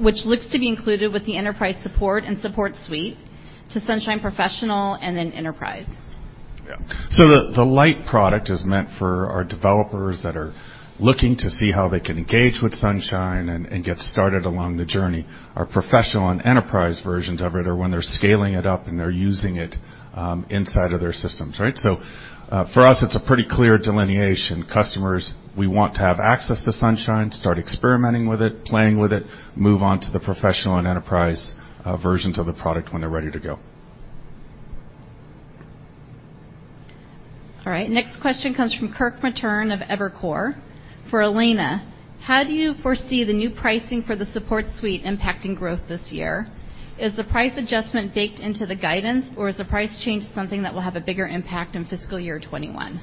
which looks to be included with the Enterprise Support and Support Suite to Sunshine Professional, and then Enterprise? Yeah. The Lite product is meant for our developers that are looking to see how they can engage with Sunshine and get started along the journey. Our Professional and Enterprise versions of it are when they're scaling it up and they're using it inside of their systems. Right? For us, it's a pretty clear delineation. Customers, we want to have access to Sunshine, start experimenting with it, playing with it, move on to the Professional and Enterprise versions of the product when they're ready to go. All right. Next question comes from Kirk Materne of Evercore. For Elena, how do you foresee the new pricing for the Support Suite impacting growth this year? Is the price adjustment baked into the guidance, or is the price change something that will have a bigger impact in fiscal year 2021?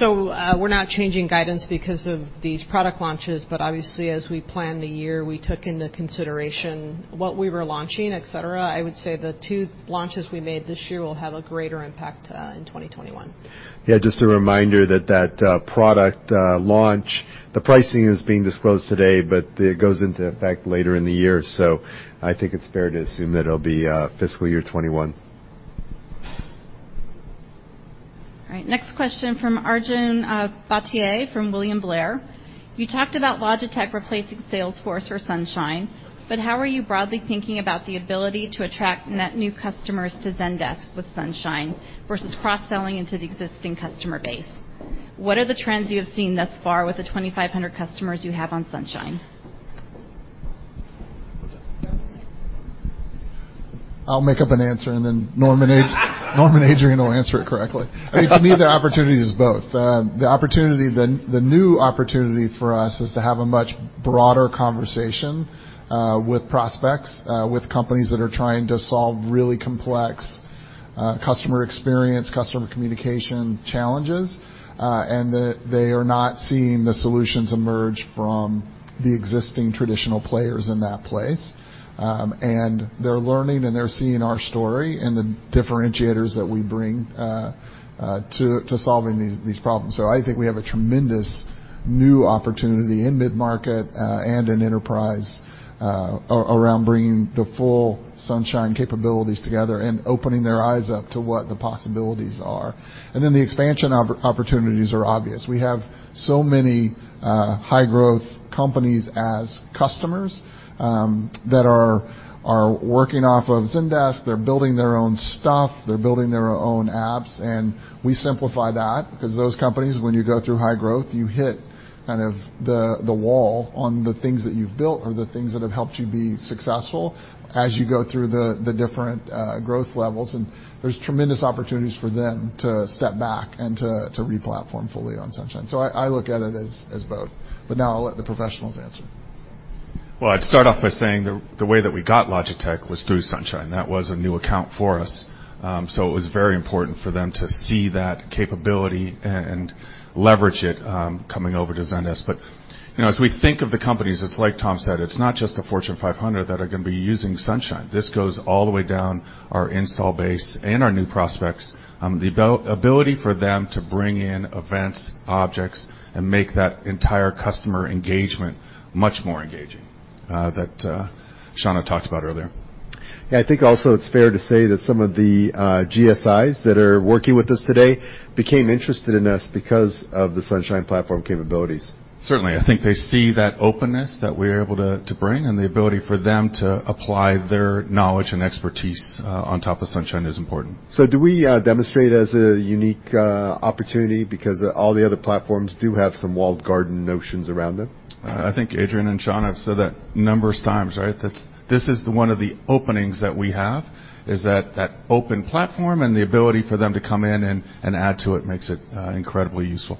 We're not changing guidance because of these product launches, but obviously, as we plan the year, we took into consideration what we were launching, et cetera. I would say the two launches we made this year will have a greater impact, in 2021. Just a reminder that that product launch, the pricing is being disclosed today, but it goes into effect later in the year. I think it's fair to assume that it'll be fiscal year 2021. All right. Next question from Arjun Bhatia from William Blair. You talked about Logitech replacing Salesforce for Sunshine, how are you broadly thinking about the ability to attract net new customers to Zendesk with Sunshine versus cross-selling into the existing customer base? What are the trends you have seen thus far with the 2,500 customers you have on Sunshine? One second. I'll make up an answer, and then Adrian will answer it correctly. I mean, to me, the opportunity is both. The new opportunity for us is to have a much broader conversation, with prospects, with companies that are trying to solve really complex customer experience, customer communication challenges, and that they are not seeing the solutions emerge from the existing traditional players in that place. They're learning, and they're seeing our story and the differentiators that we bring. To solving these problems. I think we have a tremendous new opportunity in mid-market and in enterprise around bringing the full Sunshine capabilities together and opening their eyes up to what the possibilities are. Then the expansion opportunities are obvious. We have so many high-growth companies as customers that are working off of Zendesk, they're building their own stuff, they're building their own apps, and we simplify that because those companies, when you go through high growth, you hit kind of the wall on the things that you've built or the things that have helped you be successful as you go through the different growth levels. There's tremendous opportunities for them to step back and to re-platform fully on Sunshine. I look at it as both. Now I'll let the professionals answer. Well, I'd start off by saying the way that we got Logitech was through Sunshine. It was very important for them to see that capability and leverage it coming over to Zendesk. As we think of the companies, it's like Tom said, it's not just the Fortune 500 that are going to be using Sunshine. This goes all the way down our install base and our new prospects. The ability for them to bring in events, objects, and make that entire customer engagement much more engaging, that Shawna talked about earlier. Yeah. I think also it's fair to say that some of the GSIs that are working with us today became interested in us because of the Sunshine platform capabilities. Certainly. I think they see that openness that we're able to bring, and the ability for them to apply their knowledge and expertise on top of Sunshine is important. Do we demonstrate as a unique opportunity because all the other platforms do have some walled garden notions around them? I think Adrian and Shawna have said that numerous times, right? This is one of the openings that we have, is that open platform and the ability for them to come in and add to it makes it incredibly useful.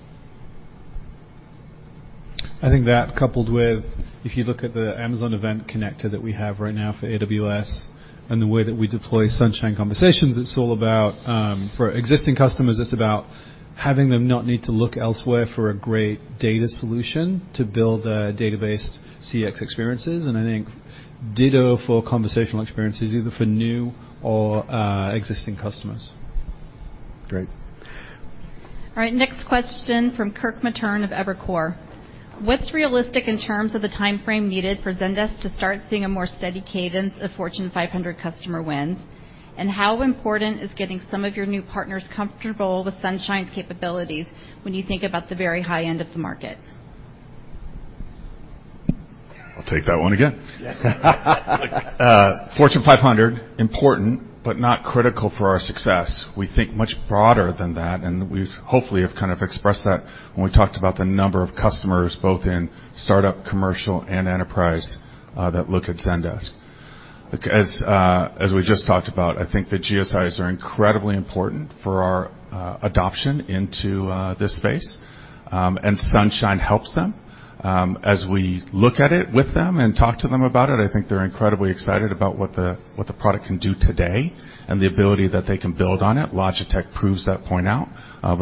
I think that coupled with, if you look at the Amazon event connector that we have right now for AWS, and the way that we deploy Sunshine Conversations, for existing customers, it's about having them not need to look elsewhere for a great data solution to build data-based CX experiences. I think ditto for conversational experiences, either for new or existing customers. Great. All right. Next question from Kirk Materne of Evercore. What's realistic in terms of the timeframe needed for Zendesk to start seeing a more steady cadence of Fortune 500 customer wins? How important is getting some of your new partners comfortable with Sunshine's capabilities when you think about the very high end of the market? I'll take that one again. Yes. Fortune 500, important, but not critical for our success. We think much broader than that, and we hopefully have kind of expressed that when we talked about the number of customers, both in startup, commercial, and enterprise, that look at Zendesk. As we just talked about, I think the GSIs are incredibly important for our adoption into this space, and Sunshine helps them. As we look at it with them and talk to them about it, I think they're incredibly excited about what the product can do today and the ability that they can build on it. Logitech proves that point out.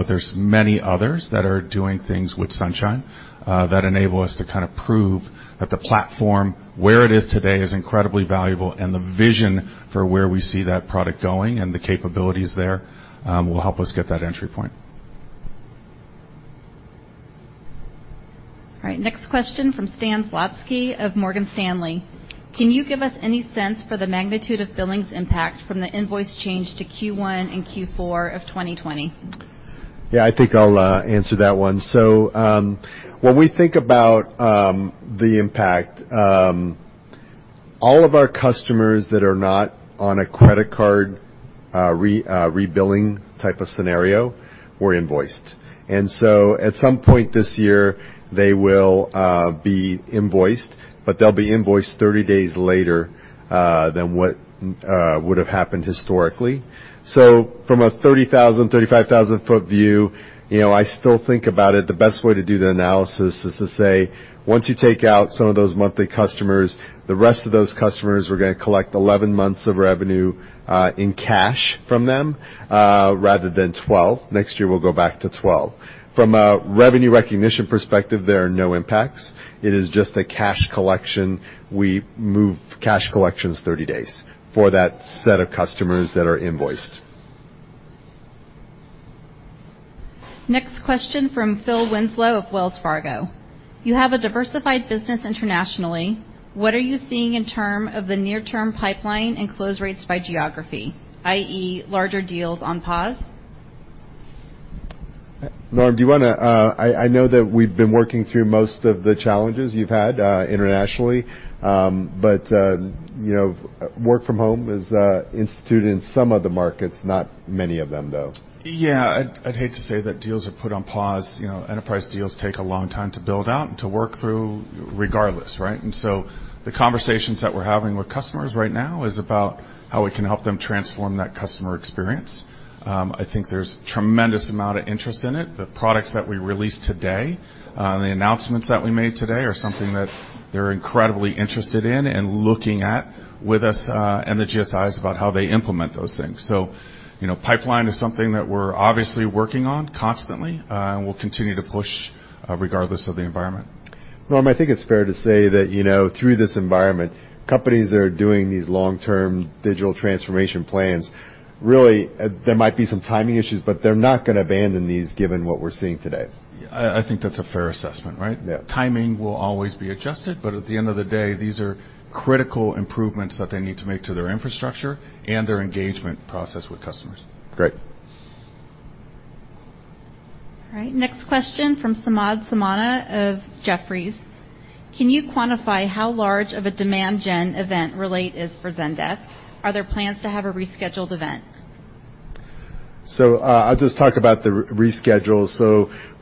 There's many others that are doing things with Sunshine, that enable us to kind of prove that the platform, where it is today is incredibly valuable and the vision for where we see that product going and the capabilities there, will help us get that entry point. All right. Next question from Stan Zlotsky of Morgan Stanley. Can you give us any sense for the magnitude of billings impact from the invoice change to Q1 and Q4 of 2020? Yeah, I think I'll answer that one. When we think about the impact, all of our customers that are not on a credit card rebilling type of scenario were invoiced. At some point this year, they will be invoiced, but they'll be invoiced 30 days later than what would have happened historically. From a 30,000, 35,000-foot view, I still think about it, the best way to do the analysis is to say, once you take out some of those monthly customers, the rest of those customers, we're going to collect 11 months of revenue, in cash from them, rather than 12. Next year, we'll go back to 12. From a revenue recognition perspective, there are no impacts. It is just a cash collection. We move cash collections 30 days for that set of customers that are invoiced. Next question from Phil Winslow of Wells Fargo. You have a diversified business internationally. What are you seeing in terms of the near-term pipeline and close rates by geography, i.e., larger deals on pause? Lauren, do you want to I know that we've been working through most of the challenges you've had internationally. Work from home is instituted in some of the markets, not many of them, though. Yeah. I'd hate to say that deals are put on pause. Enterprise deals take a long time to build out and to work through regardless, right? The conversations that we're having with customers right now is about how we can help them transform that customer experience. I think there's tremendous amount of interest in it. The products that we released today, the announcements that we made today are something that they're incredibly interested in and looking at with us, and the GSIs about how they implement those things. Pipeline is something that we're obviously working on constantly, and we'll continue to push regardless of the environment. Norm, I think it's fair to say that, through this environment, companies that are doing these long-term digital transformation plans, really, there might be some timing issues, but they're not going to abandon these given what we're seeing today. I think that's a fair assessment, right? Yeah. Timing will always be adjusted, but at the end of the day, these are critical improvements that they need to make to their infrastructure and their engagement process with customers. Great. All right. Next question from Samad Samana of Jefferies. Can you quantify how large of a demand gen event Relate is for Zendesk? Are there plans to have a rescheduled event? I'll just talk about the reschedules.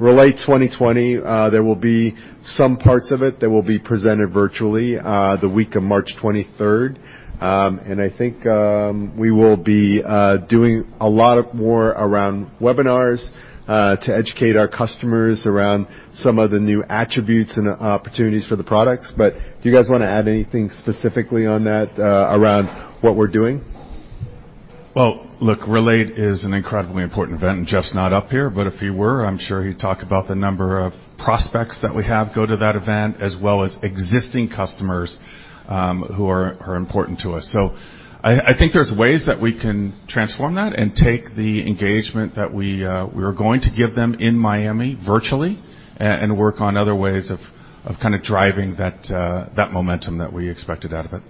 Relate 2020, there will be some parts of it that will be presented virtually, the week of March 23rd. I think we will be doing a lot more around webinars to educate our customers around some of the new attributes and opportunities for the products. Do you guys want to add anything specifically on that around what we're doing? Well, look, Relate is an incredibly important event, and Jeff's not up here, but if he were, I'm sure he'd talk about the number of prospects that we have go to that event, as well as existing customers who are important to us. I think there's ways that we can transform that and take the engagement that we were going to give them in Miami virtually, and work on other ways of kind of driving that momentum that we expected out of it.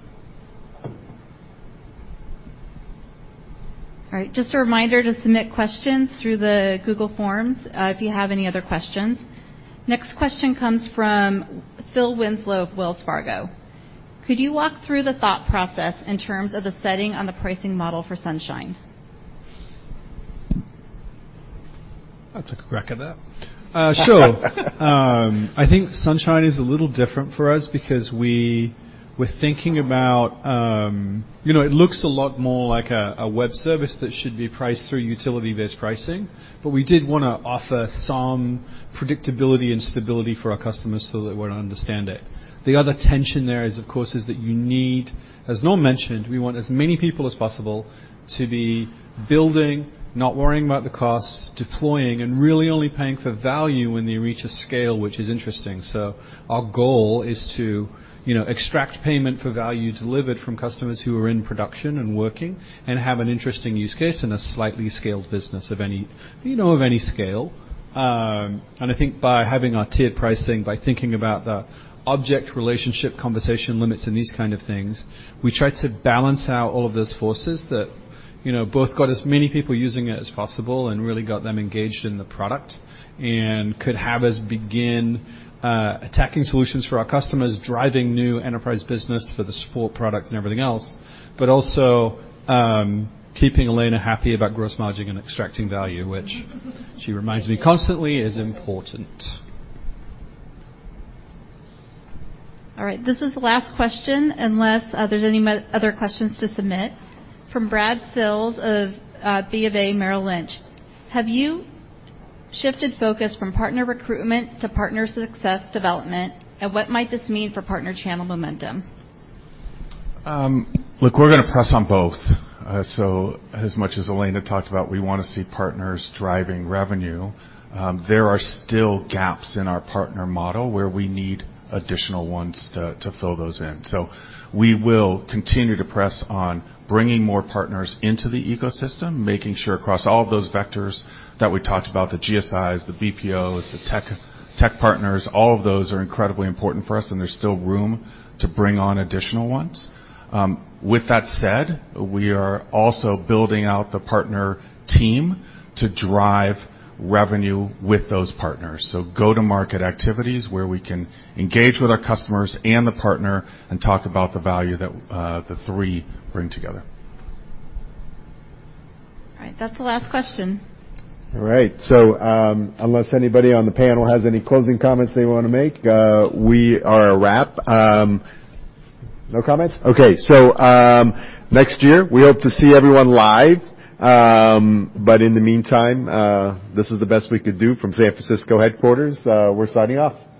All right. Just a reminder to submit questions through the Google Forms, if you have any other questions. Next question comes from Phil Winslow of Wells Fargo. Could you walk through the thought process in terms of the setting on the pricing model for Sunshine? I'll take a crack at that. Sure. I think Sunshine is a little different for us because it looks a lot more like a web service that should be priced through utility-based pricing. We did want to offer some predictability and stability for our customers so that they would understand it. The other tension there is, of course, is that you need, as Norm mentioned, we want as many people as possible to be building, not worrying about the costs, deploying, and really only paying for value when they reach a scale which is interesting. Our goal is to extract payment for value delivered from customers who are in production and working, and have an interesting use case and a slightly scaled business of any scale. I think by having our tiered pricing, by thinking about the object relationship conversation limits and these kind of things, we try to balance out all of those forces that both got as many people using it as possible and really got them engaged in the product. Could have us begin attacking solutions for our customers, driving new enterprise business for the support product and everything else. Also keeping Elena happy about gross margin and extracting value, which she reminds me constantly is important. All right. This is the last question, unless there's any other questions to submit. From Brad Sills of BofA Merrill Lynch, have you shifted focus from partner recruitment to partner success development, and what might this mean for partner channel momentum? Look, we're going to press on both. As much as Elena talked about we want to see partners driving revenue, there are still gaps in our partner model where we need additional ones to fill those in. We will continue to press on bringing more partners into the ecosystem, making sure across all of those vectors that we talked about, the GSIs, the BPOs, the tech partners, all of those are incredibly important for us, and there's still room to bring on additional ones. With that said, we are also building out the partner team to drive revenue with those partners. Go-to-market activities where we can engage with our customers and the partner and talk about the value that the three bring together. All right. That's the last question. All right. Unless anybody on the panel has any closing comments they want to make, we are a wrap. No comments? Okay. Next year we hope to see everyone live. In the meantime, this is the best we could do from San Francisco headquarters. We're signing off. Thank you.